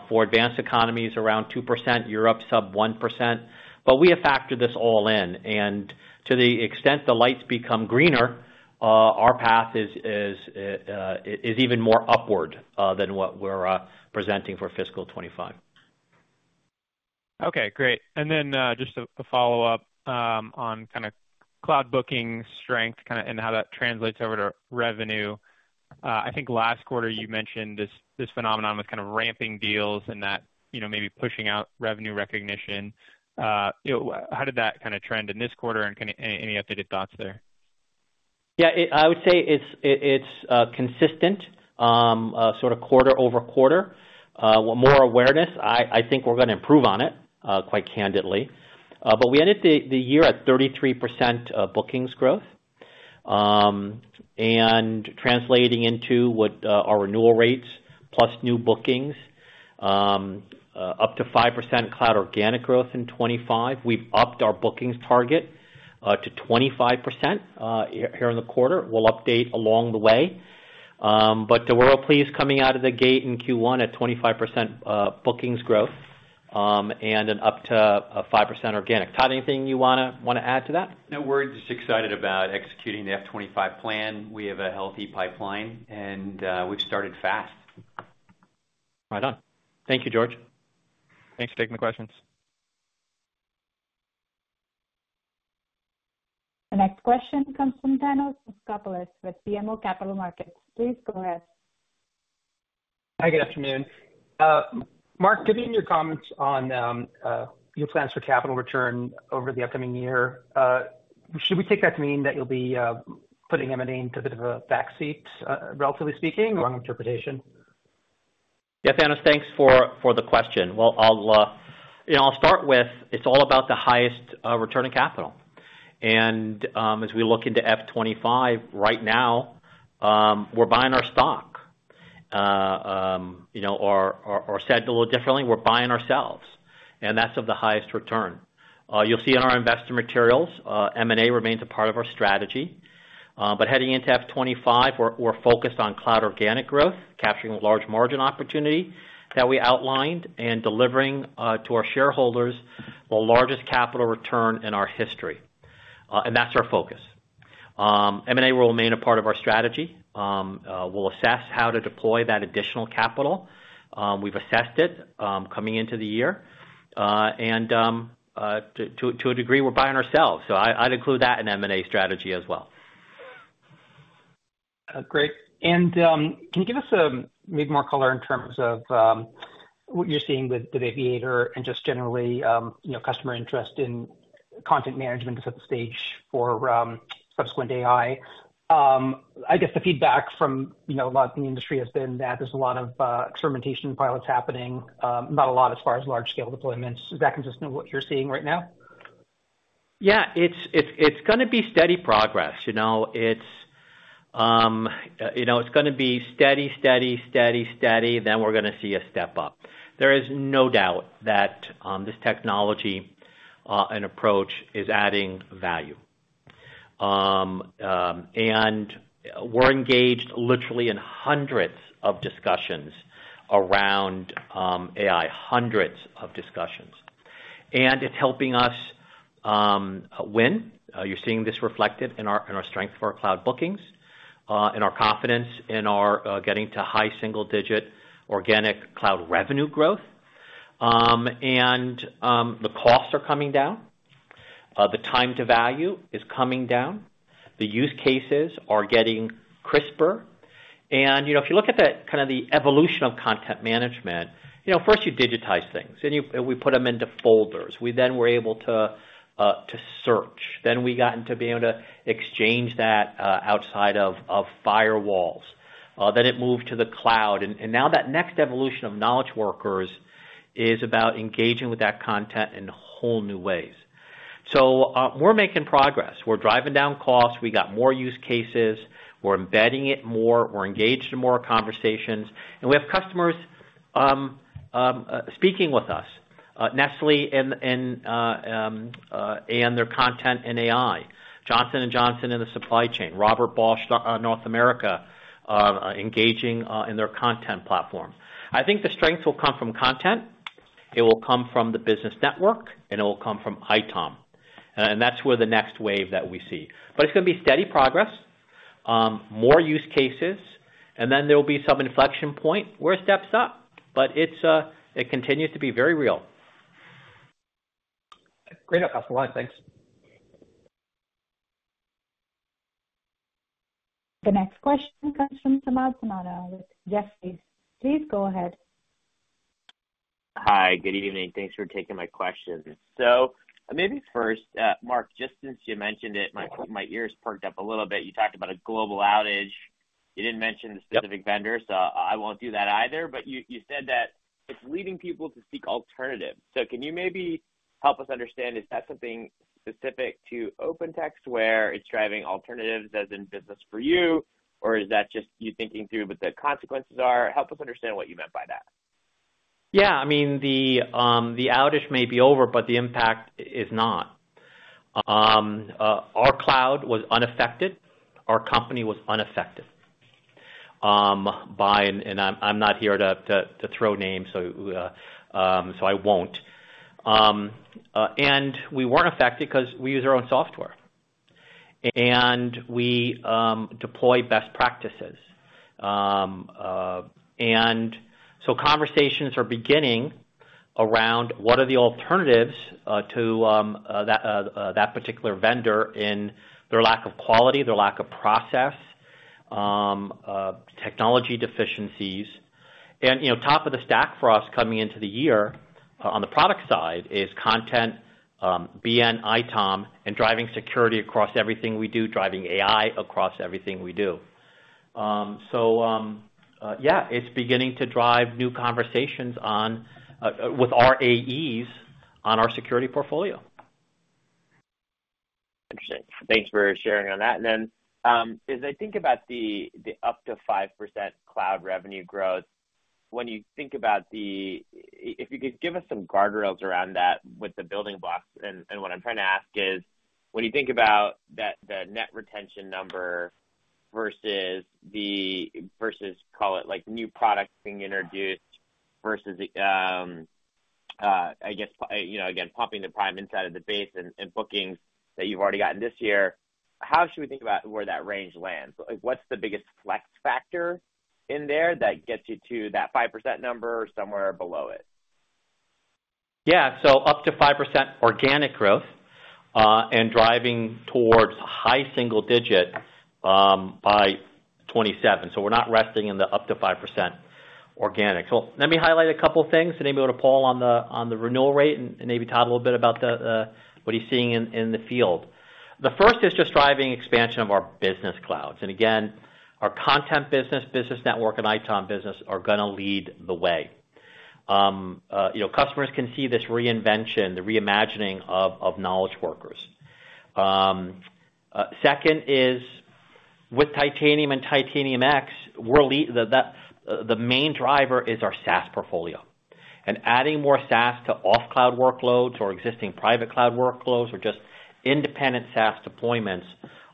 C: for advanced economies around 2%, Europe, sub 1%. But we have factored this all in, and to the extent the lights become greener, our path is, is, even more upward, than what we're presenting for fiscal 2025.
H: Okay, great. And then, just a follow-up on kinda cloud booking strength, kinda, and how that translates over to revenue. I think last quarter you mentioned this phenomenon with kind of ramping deals and that, you know, maybe pushing out revenue recognition. You know, how did that kind of trend in this quarter? And any updated thoughts there?
C: Yeah, I would say it's consistent, sort of quarter-over-quarter. More awareness. I think we're gonna improve on it, quite candidly. But we ended the year at 33% bookings growth. And translating into our renewal rates plus new bookings up to 5% cloud organic growth in 2025. We've upped our bookings target to 25% here in the quarter. We'll update along the way. But we're all pleased coming out of the gate in Q1 at 25% bookings growth, and up to a 5% organic. Todd, anything you wanna add to that?
D: No, we're just excited about executing the FY 2025 plan. We have a healthy pipeline, and we've started fast.
C: Right on. Thank you, George.
H: Thanks for taking the questions.
A: The next question comes from Thanos Moschopoulos with BMO Capital Markets. Please go ahead.
I: Hi, good afternoon. Mark, given your comments on your plans for capital return over the upcoming year, should we take that to mean that you'll be putting M&A into a bit of a back seat, relatively speaking, or wrong interpretation?
C: Yeah, Thanos, thanks for the question. Well, I'll, you know, I'll start with, it's all about the highest return in capital. And, as we look into FY 2025 right now, we're buying our stock. You know, or said a little differently, we're buying ourselves, and that's of the highest return. You'll see in our investor materials, M&A remains a part of our strategy. But heading into FY 2025, we're focused on cloud organic growth, capturing large margin opportunity that we outlined, and delivering to our shareholders, the largest capital return in our history, and that's our focus. M&A will remain a part of our strategy. We'll assess how to deploy that additional capital. We've assessed it, coming into the year, and to a degree, we're buying ourselves. So I'd include that in M&A strategy as well.
I: Great. Can you give us maybe more color in terms of what you're seeing with the Aviator and just generally, you know, customer interest in content management to set the stage for subsequent AI? I guess the feedback from, you know, a lot of the industry has been that there's a lot of experimentation pilots happening, not a lot as far as large-scale deployments. Is that consistent with what you're seeing right now?
C: Yeah, it's gonna be steady progress, you know? It's gonna be steady, steady, steady, steady, then we're gonna see a step up. There is no doubt that this technology and approach is adding value. And we're engaged literally in hundreds of discussions around AI, hundreds of discussions. And it's helping us win. You're seeing this reflected in our strength for our cloud bookings, in our confidence, in our getting to high single digit organic cloud revenue growth. And the costs are coming down. The time to value is coming down. The use cases are getting crisper. And, you know, if you look at the, kind of the evolution of content management, you know, first, you digitize things, and we put them into folders. We then were able to to search. Then we gotten to be able to exchange that, outside of, of firewalls. Then it moved to the cloud, and now that next evolution of knowledge workers is about engaging with that content in whole new ways. So, we're making progress. We're driving down costs, we got more use cases, we're embedding it more, we're engaged in more conversations, and we have customers speaking with us. Nestlé and their content and AI. Johnson & Johnson in the supply chain. Robert Bosch North America engaging in their content platform. I think the strength will come from content, it will come from the business network, and it will come from ITOM. And that's where the next wave that we see. But it's gonna be steady progress, more use cases, and then there will be some inflection point where it steps up, but it's, it continues to be very real.
I: Great. Thanks a lot. Thanks.
A: The next question comes from Samad Samana with Jefferies. Please go ahead.
J: Hi, good evening. Thanks for taking my question. So maybe first, Mark, just since you mentioned it, my ears perked up a little bit. You talked about a global outage. You didn't mention-
C: Yep
J: The specific vendor, so I won't do that either. But you, you said that it's leading people to seek alternatives. So can you maybe help us understand, is that something specific to OpenText, where it's driving alternatives as in business for you? Or is that just you thinking through what the consequences are? Help us understand what you meant by that?
C: Yeah. I mean, the outage may be over, but the impact is not. Our cloud was unaffected. Our company was unaffected by, and I'm not here to throw names, so I won't. And we weren't affected 'cause we use our own software, and we deploy best practices. And so conversations are beginning around what are the alternatives to that particular vendor in their lack of quality, their lack of process, and technology deficiencies. And, you know, top of the stack for us coming into the year, on the product side, is content, BN, ITOM, and drving security across everything we do, driving AI across everything we do. So, yeah, it's beginning to drive new conversations on with our AEs on our security portfolio.
J: Interesting. Thanks for sharing on that. And then, as I think about the, the up to 5% cloud revenue growth, when you think about the, if you could give us some guardrails around that with the building blocks, and, and what I'm trying to ask is, when you think about that, the net retention number versus the, versus, call it, like, new products being introduced versus, I guess, you know, again, pumping the prime inside of the base and, and bookings that you've already gotten this year, how should we think about where that range lands? Like, what's the biggest flex factor in there that gets you to that 5% number or somewhere below it?
C: Yeah. So up to 5% organic growth, and driving towards high single digit by 2027. So we're not resting in the up to 5% organic. So let me highlight a couple of things and maybe go to Paul on the renewal rate and maybe Todd a little bit about what he's seeing in the field. The first is just driving expansion of our business clouds. And again, our content business, Business Network and ITOM business are gonna lead the way. You know, customers can see this reinvention, the reimagining of knowledge workers. Second is, with Titanium and Titanium X, we're the main driver is our SaaS portfolio. And adding more SaaS to off-cloud workloads or existing private cloud workloads or just independent SaaS deployments,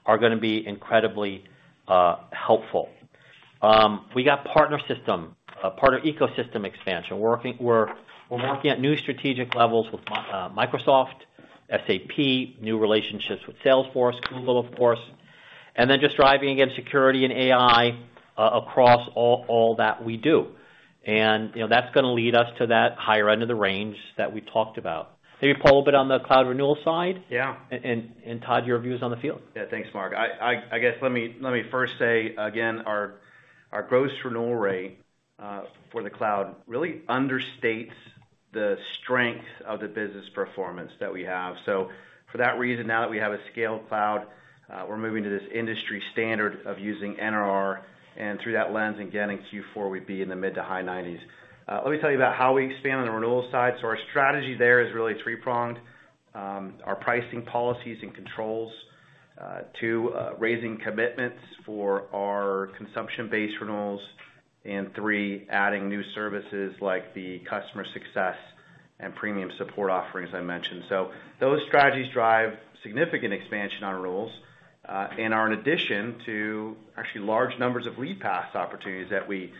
C: are gonna be incredibly helpful. We got partner ecosystem expansion. We're working at new strategic levels with Microsoft, SAP, new relationships with Salesforce, Google, of course, and then just driving against security and AI across all that we do. And, you know, that's gonna lead us to that higher end of the range that we talked about. Maybe, Paul, a little bit on the cloud renewal side?
E: Yeah.
C: And Todd, your views on the field.
E: Yeah. Thanks, Mark. I guess, let me first say, again, our gross renewal rate for the cloud really understates the strength of the business performance that we have. So for that reason, now that we have a scaled cloud, we're moving to this industry standard of using NRR, and through that lens, again, in Q4, we'd be in the mid- to high 90s%. Let me tell you about how we expand on the renewal side. So our strategy there is really three-pronged. Our pricing policies and controls, two, raising commitments for our consumption-based renewals, and three, adding new services like the customer success and premium support offerings I mentioned. Those strategies drive significant expansion on renewals, and are in addition to actually large numbers of lead pass opportunities that we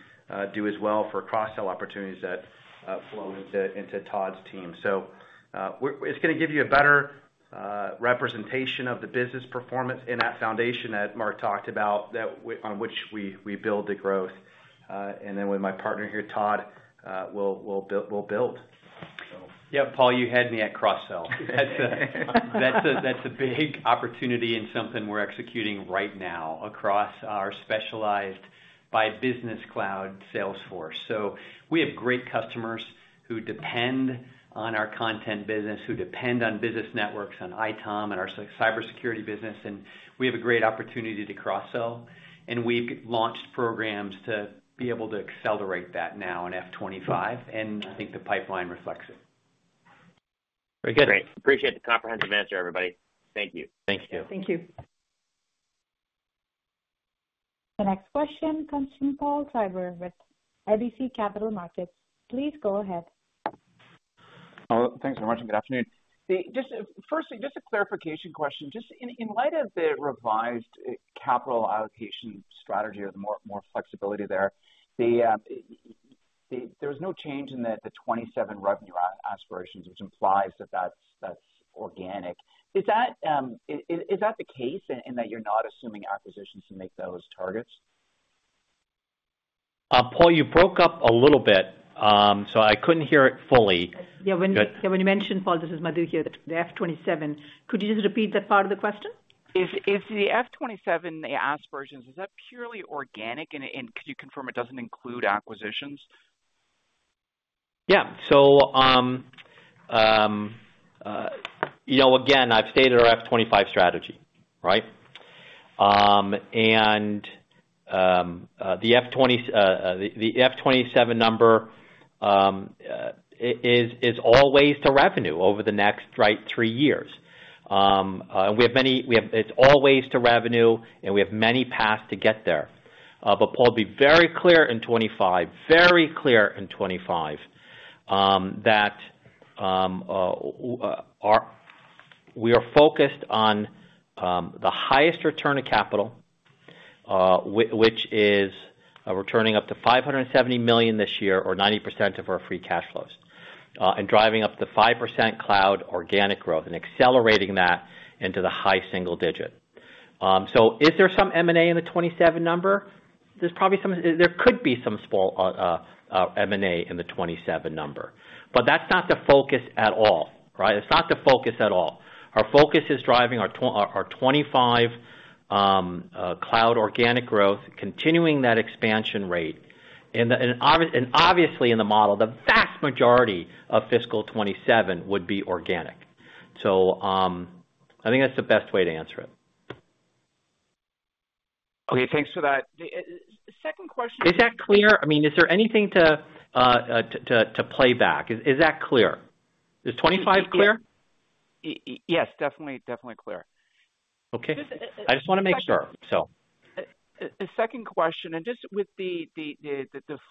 E: do as well for cross-sell opportunities that flow into Todd's team. So, it's gonna give you a better representation of the business performance in that foundation that Mark talked about, on which we build the growth, and then with my partner here, Todd, we'll build, so.
C: Yeah, Paul, you had me at cross-sell. That's a, that's a, that's a big opportunity and something we're executing right now across our specialized by business cloud sales force. So we have great customers who depend on our content business, who depend on business networks, on ITOM and our cybersecurity business, and we have a great opportunity to cross-sell, and we've launched programs to be able to accelerate that now in FY 2025, and I think the pipeline reflects it. Very good. Great. Appreciate the comprehensive answer, everybody. Thank you.
J: Thank you.
F: Thank you.
A: The next question comes from Paul Treiber with RBC Capital Markets. Please go ahead.
K: Thanks very much, and good afternoon. Just firstly, just a clarification question. Just in light of the revised capital allocation strategy or the more flexibility there, there was no change in the 2027 revenue aspirations, which implies that that's organic. Is that the case in that you're not assuming acquisitions to make those targets?
C: Paul, you broke up a little bit, so I couldn't hear it fully.
F: Yeah, when you mentioned, Paul, this is Madhu here, the FY 2027, could you just repeat that part of the question?
K: Is the FY 2027, the aspirations, purely organic, and could you confirm it doesn't include acquisitions?
C: Yeah. So, you know, again, I've stated our FY 2025 strategy, right? And the FY 2027 number is all ways to revenue over the next three years. We have many... We have—it's all ways to revenue, and we have many paths to get there. But Paul, be very clear in 2025, very clear in 2025, that our—we are focused on the highest return of capital, which is returning up to $570 million this year or 90% of our free cash flows, and driving up to 5% cloud organic growth and accelerating that into the high single digit. So is there some M&A in the 2027 number? There's probably some... There could be some small M&A in the 2027 number, but that's not the focus at all, right? It's not the focus at all. Our focus is driving our 2025 cloud organic growth, continuing that expansion rate. And obviously in the model, the vast majority of fiscal 2027 would be organic. So, I think that's the best way to answer it.
K: Okay, thanks for that. The second question-
C: Is that clear? I mean, is there anything to play back? Is that clear? Is 2025 clear?
K: Yes, definitely, definitely clear.
C: Okay.
F: Just,
C: I just wanna make sure, so.
K: The second question, and just with the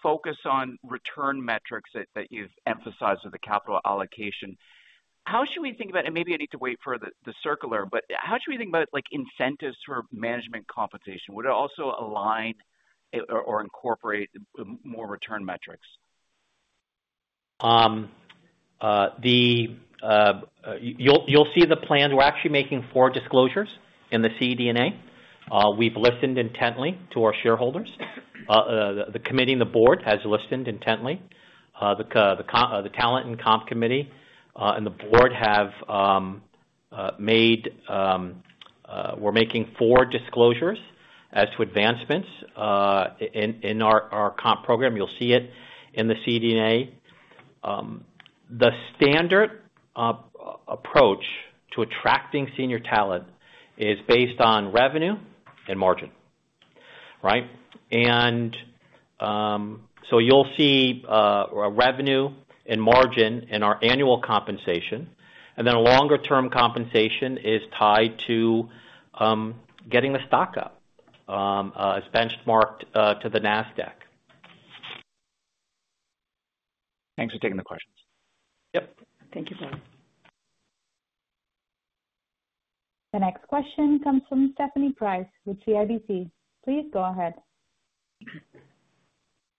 K: focus on return metrics that you've emphasized with the capital allocation, how should we think about it? And maybe I need to wait for the circular, but how should we think about, like, incentives for management compensation? Would it also align or incorporate more return metrics?
C: You'll see the plan. We're actually making four disclosures in the CD&A. We've listened intently to our shareholders. The committee and the board has listened intently. The talent and comp committee and the board have made. We're making four disclosures as to advancements in our comp program. You'll see it in the CD&A. The standard approach to attracting senior talent is based on revenue and margin, right? And so you'll see a revenue and margin in our annual compensation, and then a longer-term compensation is tied to getting the stock up. It's benchmarked to the NASDAQ.
K: Thanks for taking the questions.
C: Yep.
F: Thank you, Paul.
A: The next question comes from Stephanie Price with CIBC. Please go ahead.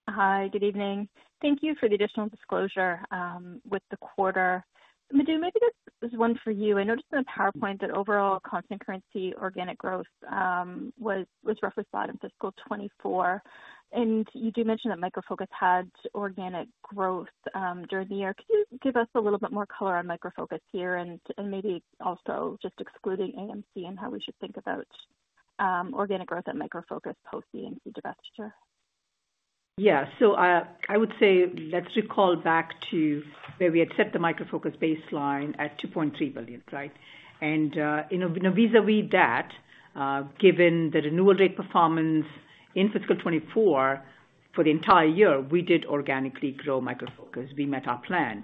L: Hi, good evening. Thank you for the additional disclosure with the quarter. Madhu, maybe this is one for you. I noticed in the PowerPoint that overall constant currency organic growth was roughly flat in fiscal 2024, and you do mention that Micro Focus had organic growth during the year. Could you give us a little bit more color on Micro Focus year and maybe also just excluding AMC and how we should think about organic growth at Micro Focus post the AMC divestiture?
F: Yeah. So, I would say, let's recall back to where we had set the Micro Focus baseline at $2.3 billion, right? And, you know, vis-a-vis that, given the renewal rate performance in fiscal 2024, for the entire year, we did organically grow Micro Focus. We met our plan.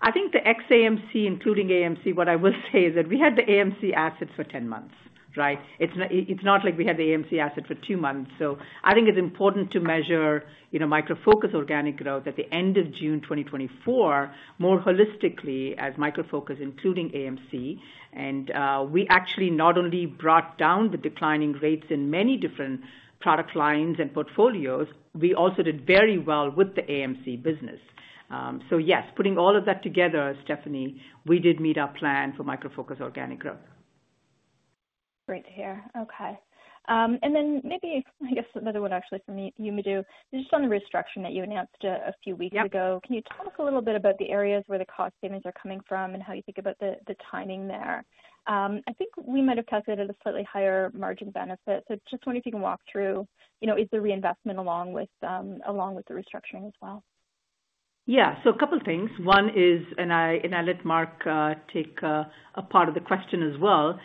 F: I think the ex AMC, including AMC, what I will say is that we had the AMC assets for 10 months, right? It's not like we had the AMC asset for 2 months. So I think it's important to measure, you know, Micro Focus organic growth at the end of June 2024, more holistically as Micro Focus, including AMC. And, we actually not only brought down the declining rates in many different product lines and portfolios, we also did very well wit h the AMC business. Yes, putting all of that together, Stephanie, we did meet our plan for Micro Focus organic growth.
L: Great to hear. Okay. And then maybe, I guess, another one actually from you, Madhu. Just on the restructuring that you announced a few weeks ago-
F: Yep.
L: Can you talk a little bit about the areas where the cost savings are coming from and how you think about the timing there? I think we might have calculated a slightly higher margin benefit, so just wondering if you can walk through, you know, is there reinvestment along with the restructuring as well?
F: Yeah, so a couple things. One is, and I, and I let Mark take a part of the question as well.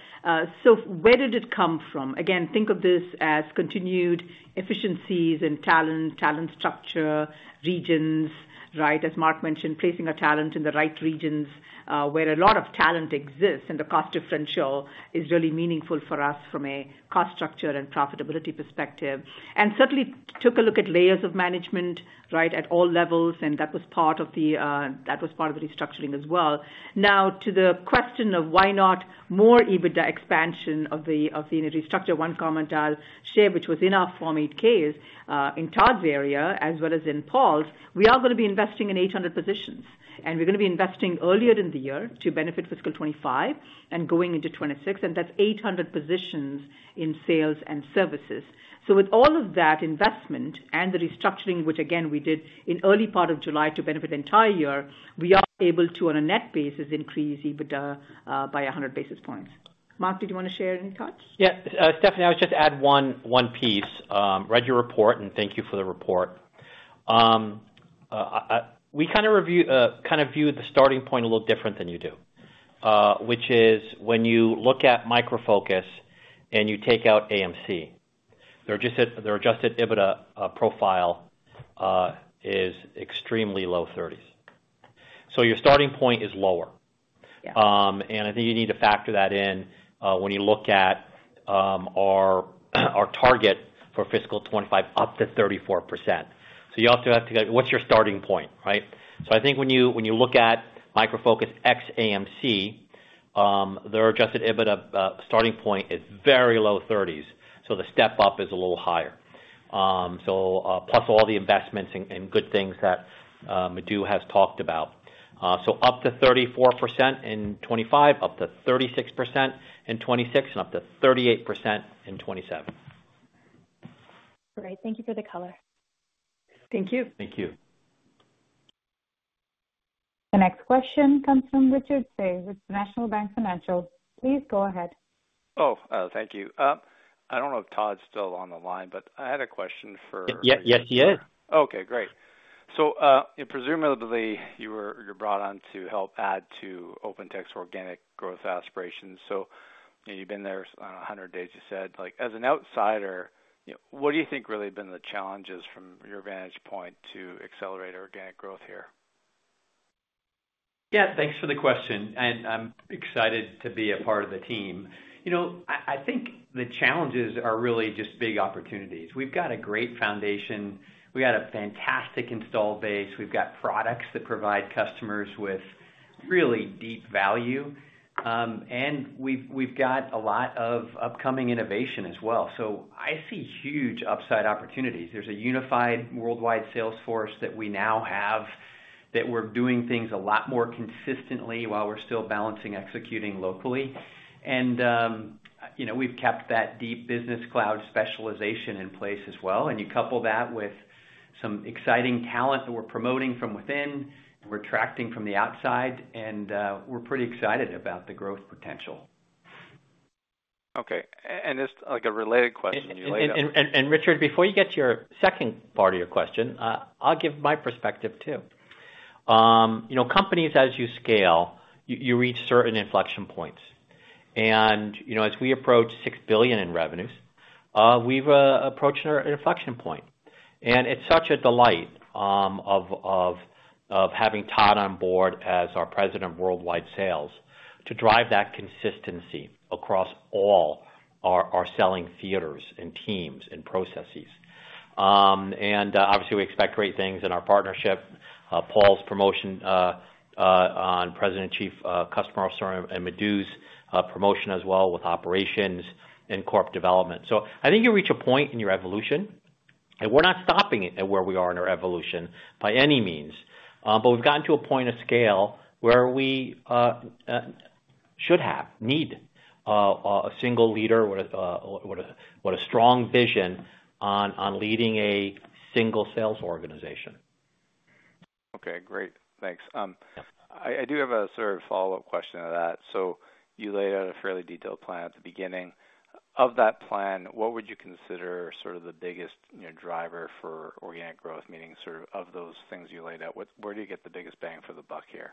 F: So where did it come from? Again, think of this as continued efficiencies and talent, talent structure, regions, right? As Mark mentioned, placing our talent in the right regions, where a lot of talent exists, and the cost differential is really meaningful for us from a cost structure and profitability perspective. And certainly took a look at layers of management, right, at all levels, and that was part of the, that was part of the restructuring as well. Now, to the question of why not more EBITDA expansion of the, of the restructure, one comment I'll share, which was in our Form 8-K is, in Todd's area as well as in Paul's, we are gonna be investing in 800 positions, and we're gonna be investing earlier in the year to benefit fiscal 2025 and going into 2026, and that's 800 positions in sales and services. So with all of that investment and the restructuring, which again, we did in early part of July to benefit the entire year, we are able to, on a net basis, increase EBITDA by 100 basis points. Mark, did you wanna share any thoughts?
C: Yeah, Stephanie, I would just add one piece. Read your report, and thank you for the report. We kind of view the starting point a little different than you do, which is when you look at Micro Focus and you take out AMC, their Adjusted EBITDA profile is extremely low thirties. So your starting point is lower.
L: Yeah.
C: And I think you need to factor that in, when you look at our target for fiscal 2025 up to 34%. So you also have to go, what's your starting point, right? So I think when you look at Micro Focus ex-AMC, their Adjusted EBITDA starting point is very low 30s, so the step up is a little higher. So plus all the investments and good things that Madhu has talked about. So up to 34% in 2025, up to 36% in 2026, and up to 38% in 2027.
L: Great. Thank you for the color.
F: Thank you.
C: Thank you.
A: The next question comes from Richard Tse with National Bank Financial. Please go ahead.
M: Oh, thank you. I don't know if Todd's still on the line, but I had a question for-
C: Yes, he is.
M: Okay, great. So, presumably, you're brought on to help add to OpenText organic growth aspirations. So you've been there, 100 days you said. Like, as an outsider, you know, what do you think really been the challenges from your vantage point to accelerate organic growth here?
D: Yeah, thanks for the question, and I'm excited to be a part of the team. You know, I think the challenges are really just big opportunities. We've got a great foundation. We've got a fantastic install base. We've got products that provide customers with really deep value, and we've got a lot of upcoming innovation as well. So I see huge upside opportunities. There's a unified worldwide sales force that we now have, that we're doing things a lot more consistently while we're still balancing executing locally. And, you know, we've kept that deep business cloud specialization in place as well, and you couple that with some exciting talent that we're promoting from within and we're attracting from the outside, and we're pretty excited about the growth potential.
M: Okay, and just like a related question-
C: Richard, before you get to the second part of your question, I'll give my perspective, too. You know, companies, as you scale, you reach certain inflection points. And, you know, as we approach $6 billion in revenues, we've approached our inflection point. And it's such a delight of having Todd on board as our President of Worldwide Sales to drive that consistency across all our selling theaters, and teams, and processes. And, obviously, we expect great things in our partnership, Paul's promotion to President Chief Customer Officer, and Madhu's promotion as well, with operations and corporate development. So I think you reach a point in your evolution, and we're not stopping it at where we are in our evolution by any means, but we've gotten to a point of scale where we should have a single leader with a strong vision on leading a single sales organization.
M: Okay, great. Thanks. I do have a sort of follow-up question to that. So you laid out a fairly detailed plan at the beginning. Of that plan, what would you consider sort of the biggest, you know, driver for organic growth, meaning sort of, of those things you laid out, where do you get the biggest bang for the buck here?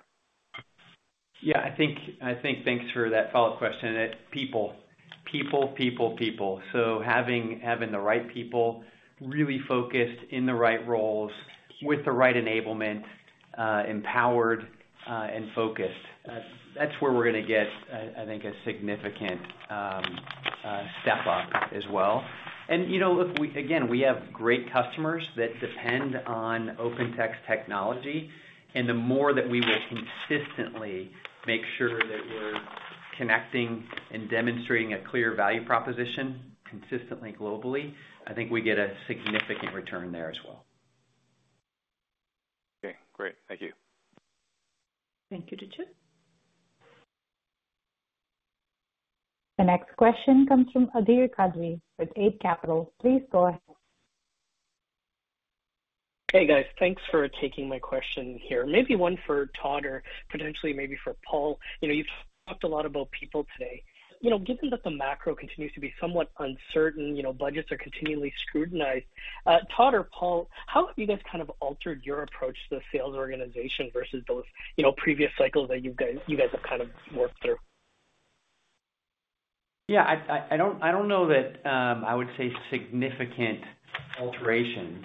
D: Yeah, I think, thanks for that follow-up question, that people. People, people, people. So having the right people really focused in the right roles with the right enablement, empowered, and focused, that's where we're gonna get, I think, a significant step up as well. You know, look, we again have great customers that depend on OpenText technology, and the more that we will consistently make sure that we're connecting and demonstrating a clear value proposition consistently, globally, I think we get a significant return there as well.
M: Okay, great. Thank you.
F: Thank you, Richard.
A: The next question comes from Adhir Kadve with Eight Capital. Please go ahead.
N: Hey, guys. Thanks for taking my question here. Maybe one for Todd or potentially maybe for Paul. You know, you've talked a lot about people today. You know, given that the macro continues to be somewhat uncertain, you know, budgets are continually scrutinized. Todd or Paul, how have you guys kind of altered your approach to the sales organization versus those, you know, previous cycles that you guys, you guys have kind of worked through?
C: Yeah, I don't know that I would say significant alterations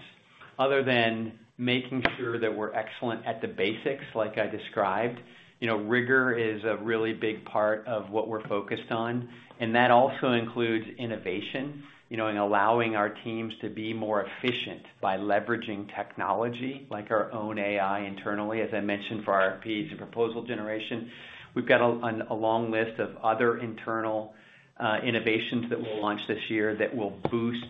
C: other than making sure that we're excellent at the basics, like I described. You know, rigor is a really big part of what we're focused on, and that also includes innovation, you know, and allowing our teams to be more efficient by leveraging technology like our own AI internally, as I mentioned, for our RFPs and proposal generation. We've got a long list of other internal innovations that we'll launch this year that will boost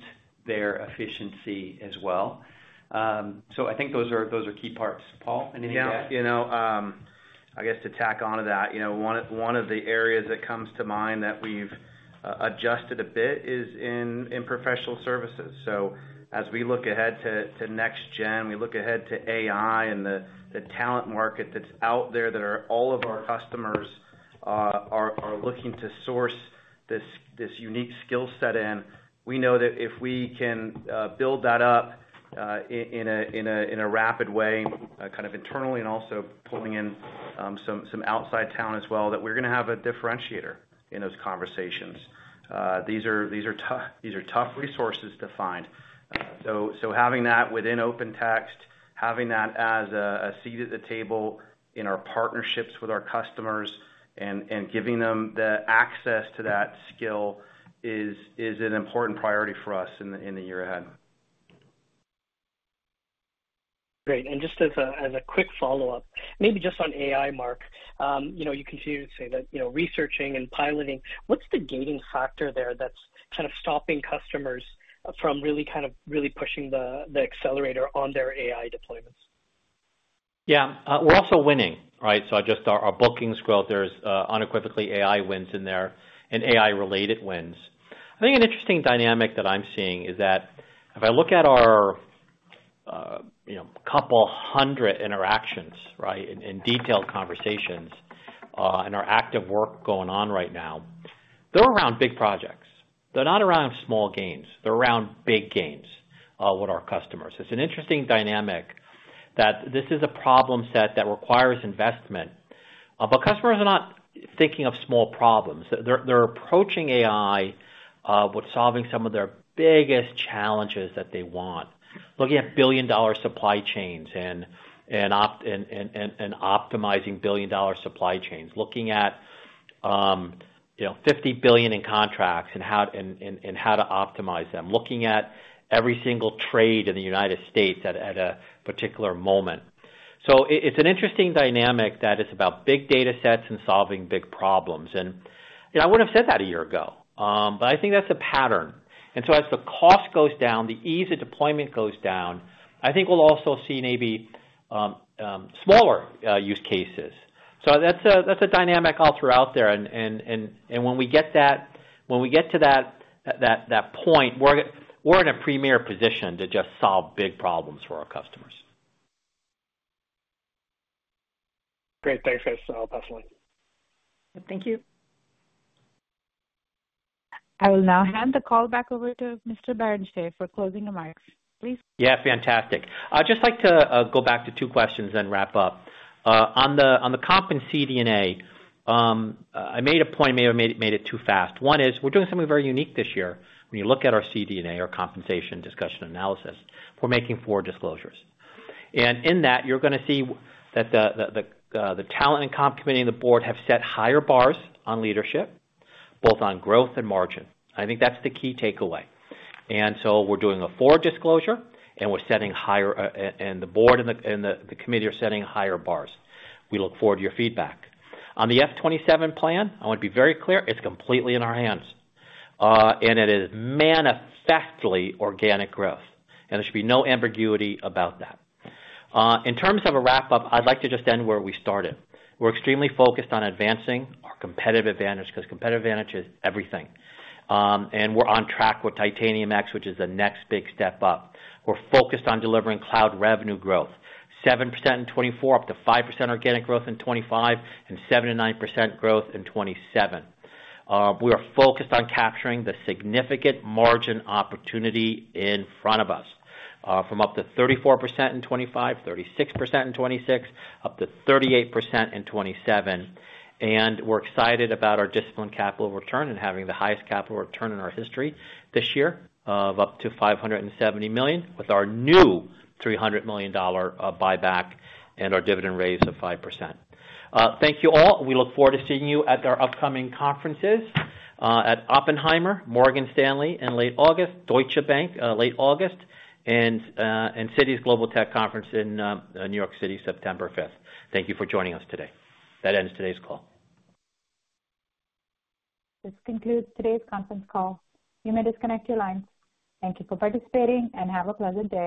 C: their efficiency as well. So I think those are key parts. Paul, anything to add?
E: Yeah. You know, I guess to tack on to that, you know, one of the areas that comes to mind that we've adjusted a bit is in professional services. So as we look ahead to next gen, we look ahead to AI and the talent market that's out there. All of our customers are looking to source this unique skill set in. We know that if we can build that up in a rapid way kind of internally and also pulling in some outside talent as well, that we're gonna have a differentiator in those conversations. These are tough resources to find. So, having that within OpenText, having that as a seat at the table in our partnerships with our customers and giving them the access to that skill is an important priority for us in the year ahead.
N: Great. And just as a quick follow-up, maybe just on AI, Mark. You know, you continue to say that, you know, researching and piloting, what's the gating factor there that's kind of stopping customers from really kind of really pushing the accelerator on their AI deployments?
C: Yeah, we're also winning, right? So just our bookings growth there is unequivocally AI wins in there and AI-related wins. I think an interesting dynamic that I'm seeing is that if I look at our, you know, couple hundred interactions, right, and detailed conversations, and our active work going on right now, they're around big projects. They're not around small gains, they're around big gains with our customers. It's an interesting dynamic that this is a problem set that requires investment. But customers are not thinking of small problems. They're approaching AI with solving some of their biggest challenges that they want. Looking at billion-dollar supply chains and optimizing billion-dollar supply chains. Looking at, you know, $50 billion in contracts and how to optimize them. Looking at every single trade in the United States at a particular moment. So it's an interesting dynamic that it's about big data sets and solving big problems. And, you know, I wouldn't have said that a year ago, but I think that's a pattern. And so as the cost goes down, the ease of deployment goes down, I think we'll also see maybe smaller use cases. So that's a dynamic also out there, and when we get to that point, we're in a premier position to just solve big problems for our customers.
N: Great. Thanks, guys. Absolutely.
E: Thank you.
A: I will now hand the call back over to Mr. Barrenechea for closing remarks. Please.
C: Yeah, fantastic. I'd just like to go back to two questions, then wrap up. On the comp and CD&A, I made a point, may have made it, made it too fast. One is, we're doing something very unique this year. When you look at our CD&A, our compensation discussion analysis, we're making four disclosures. And in that, you're gonna see that the talent and comp committee and the board have set higher bars on leadership, both on growth and margin. I think that's the key takeaway. And so we're doing a forward disclosure, and we're setting higher, and the board and the committee are setting higher bars. We look forward to your feedback. On the FY 2027 plan, I want to be very clear, it's completely in our hands, and it is manifestly organic growth, and there should be no ambiguity about that. In terms of a wrap-up, I'd like to just end where we started. We're extremely focused on advancing our competitive advantage because competitive advantage is everything. And we're on track with Titanium X, which is the next big step up. We're focused on delivering cloud revenue growth, 7% in 2024, up to 5% organic growth in 2025, and 7%-9% growth in 2027. We are focused on capturing the significant margin opportunity in front of us, from up to 34% in 2025, 36% in 2026, up to 38% in 2027. We're excited about our disciplined capital return and having the highest capital return in our history this year of up to $570 million, with our new $300 million buyback and our dividend raise of 5%. Thank you, all. We look forward to seeing you at our upcoming conferences at Oppenheimer, Morgan Stanley in late August, Deutsche Bank late August, and Citi's Global Technology Conference in New York City, September 5th. Thank you for joining us today. That ends today's call.
A: This concludes today's conference call. You may disconnect your lines. Thank you for participating and have a pleasant day.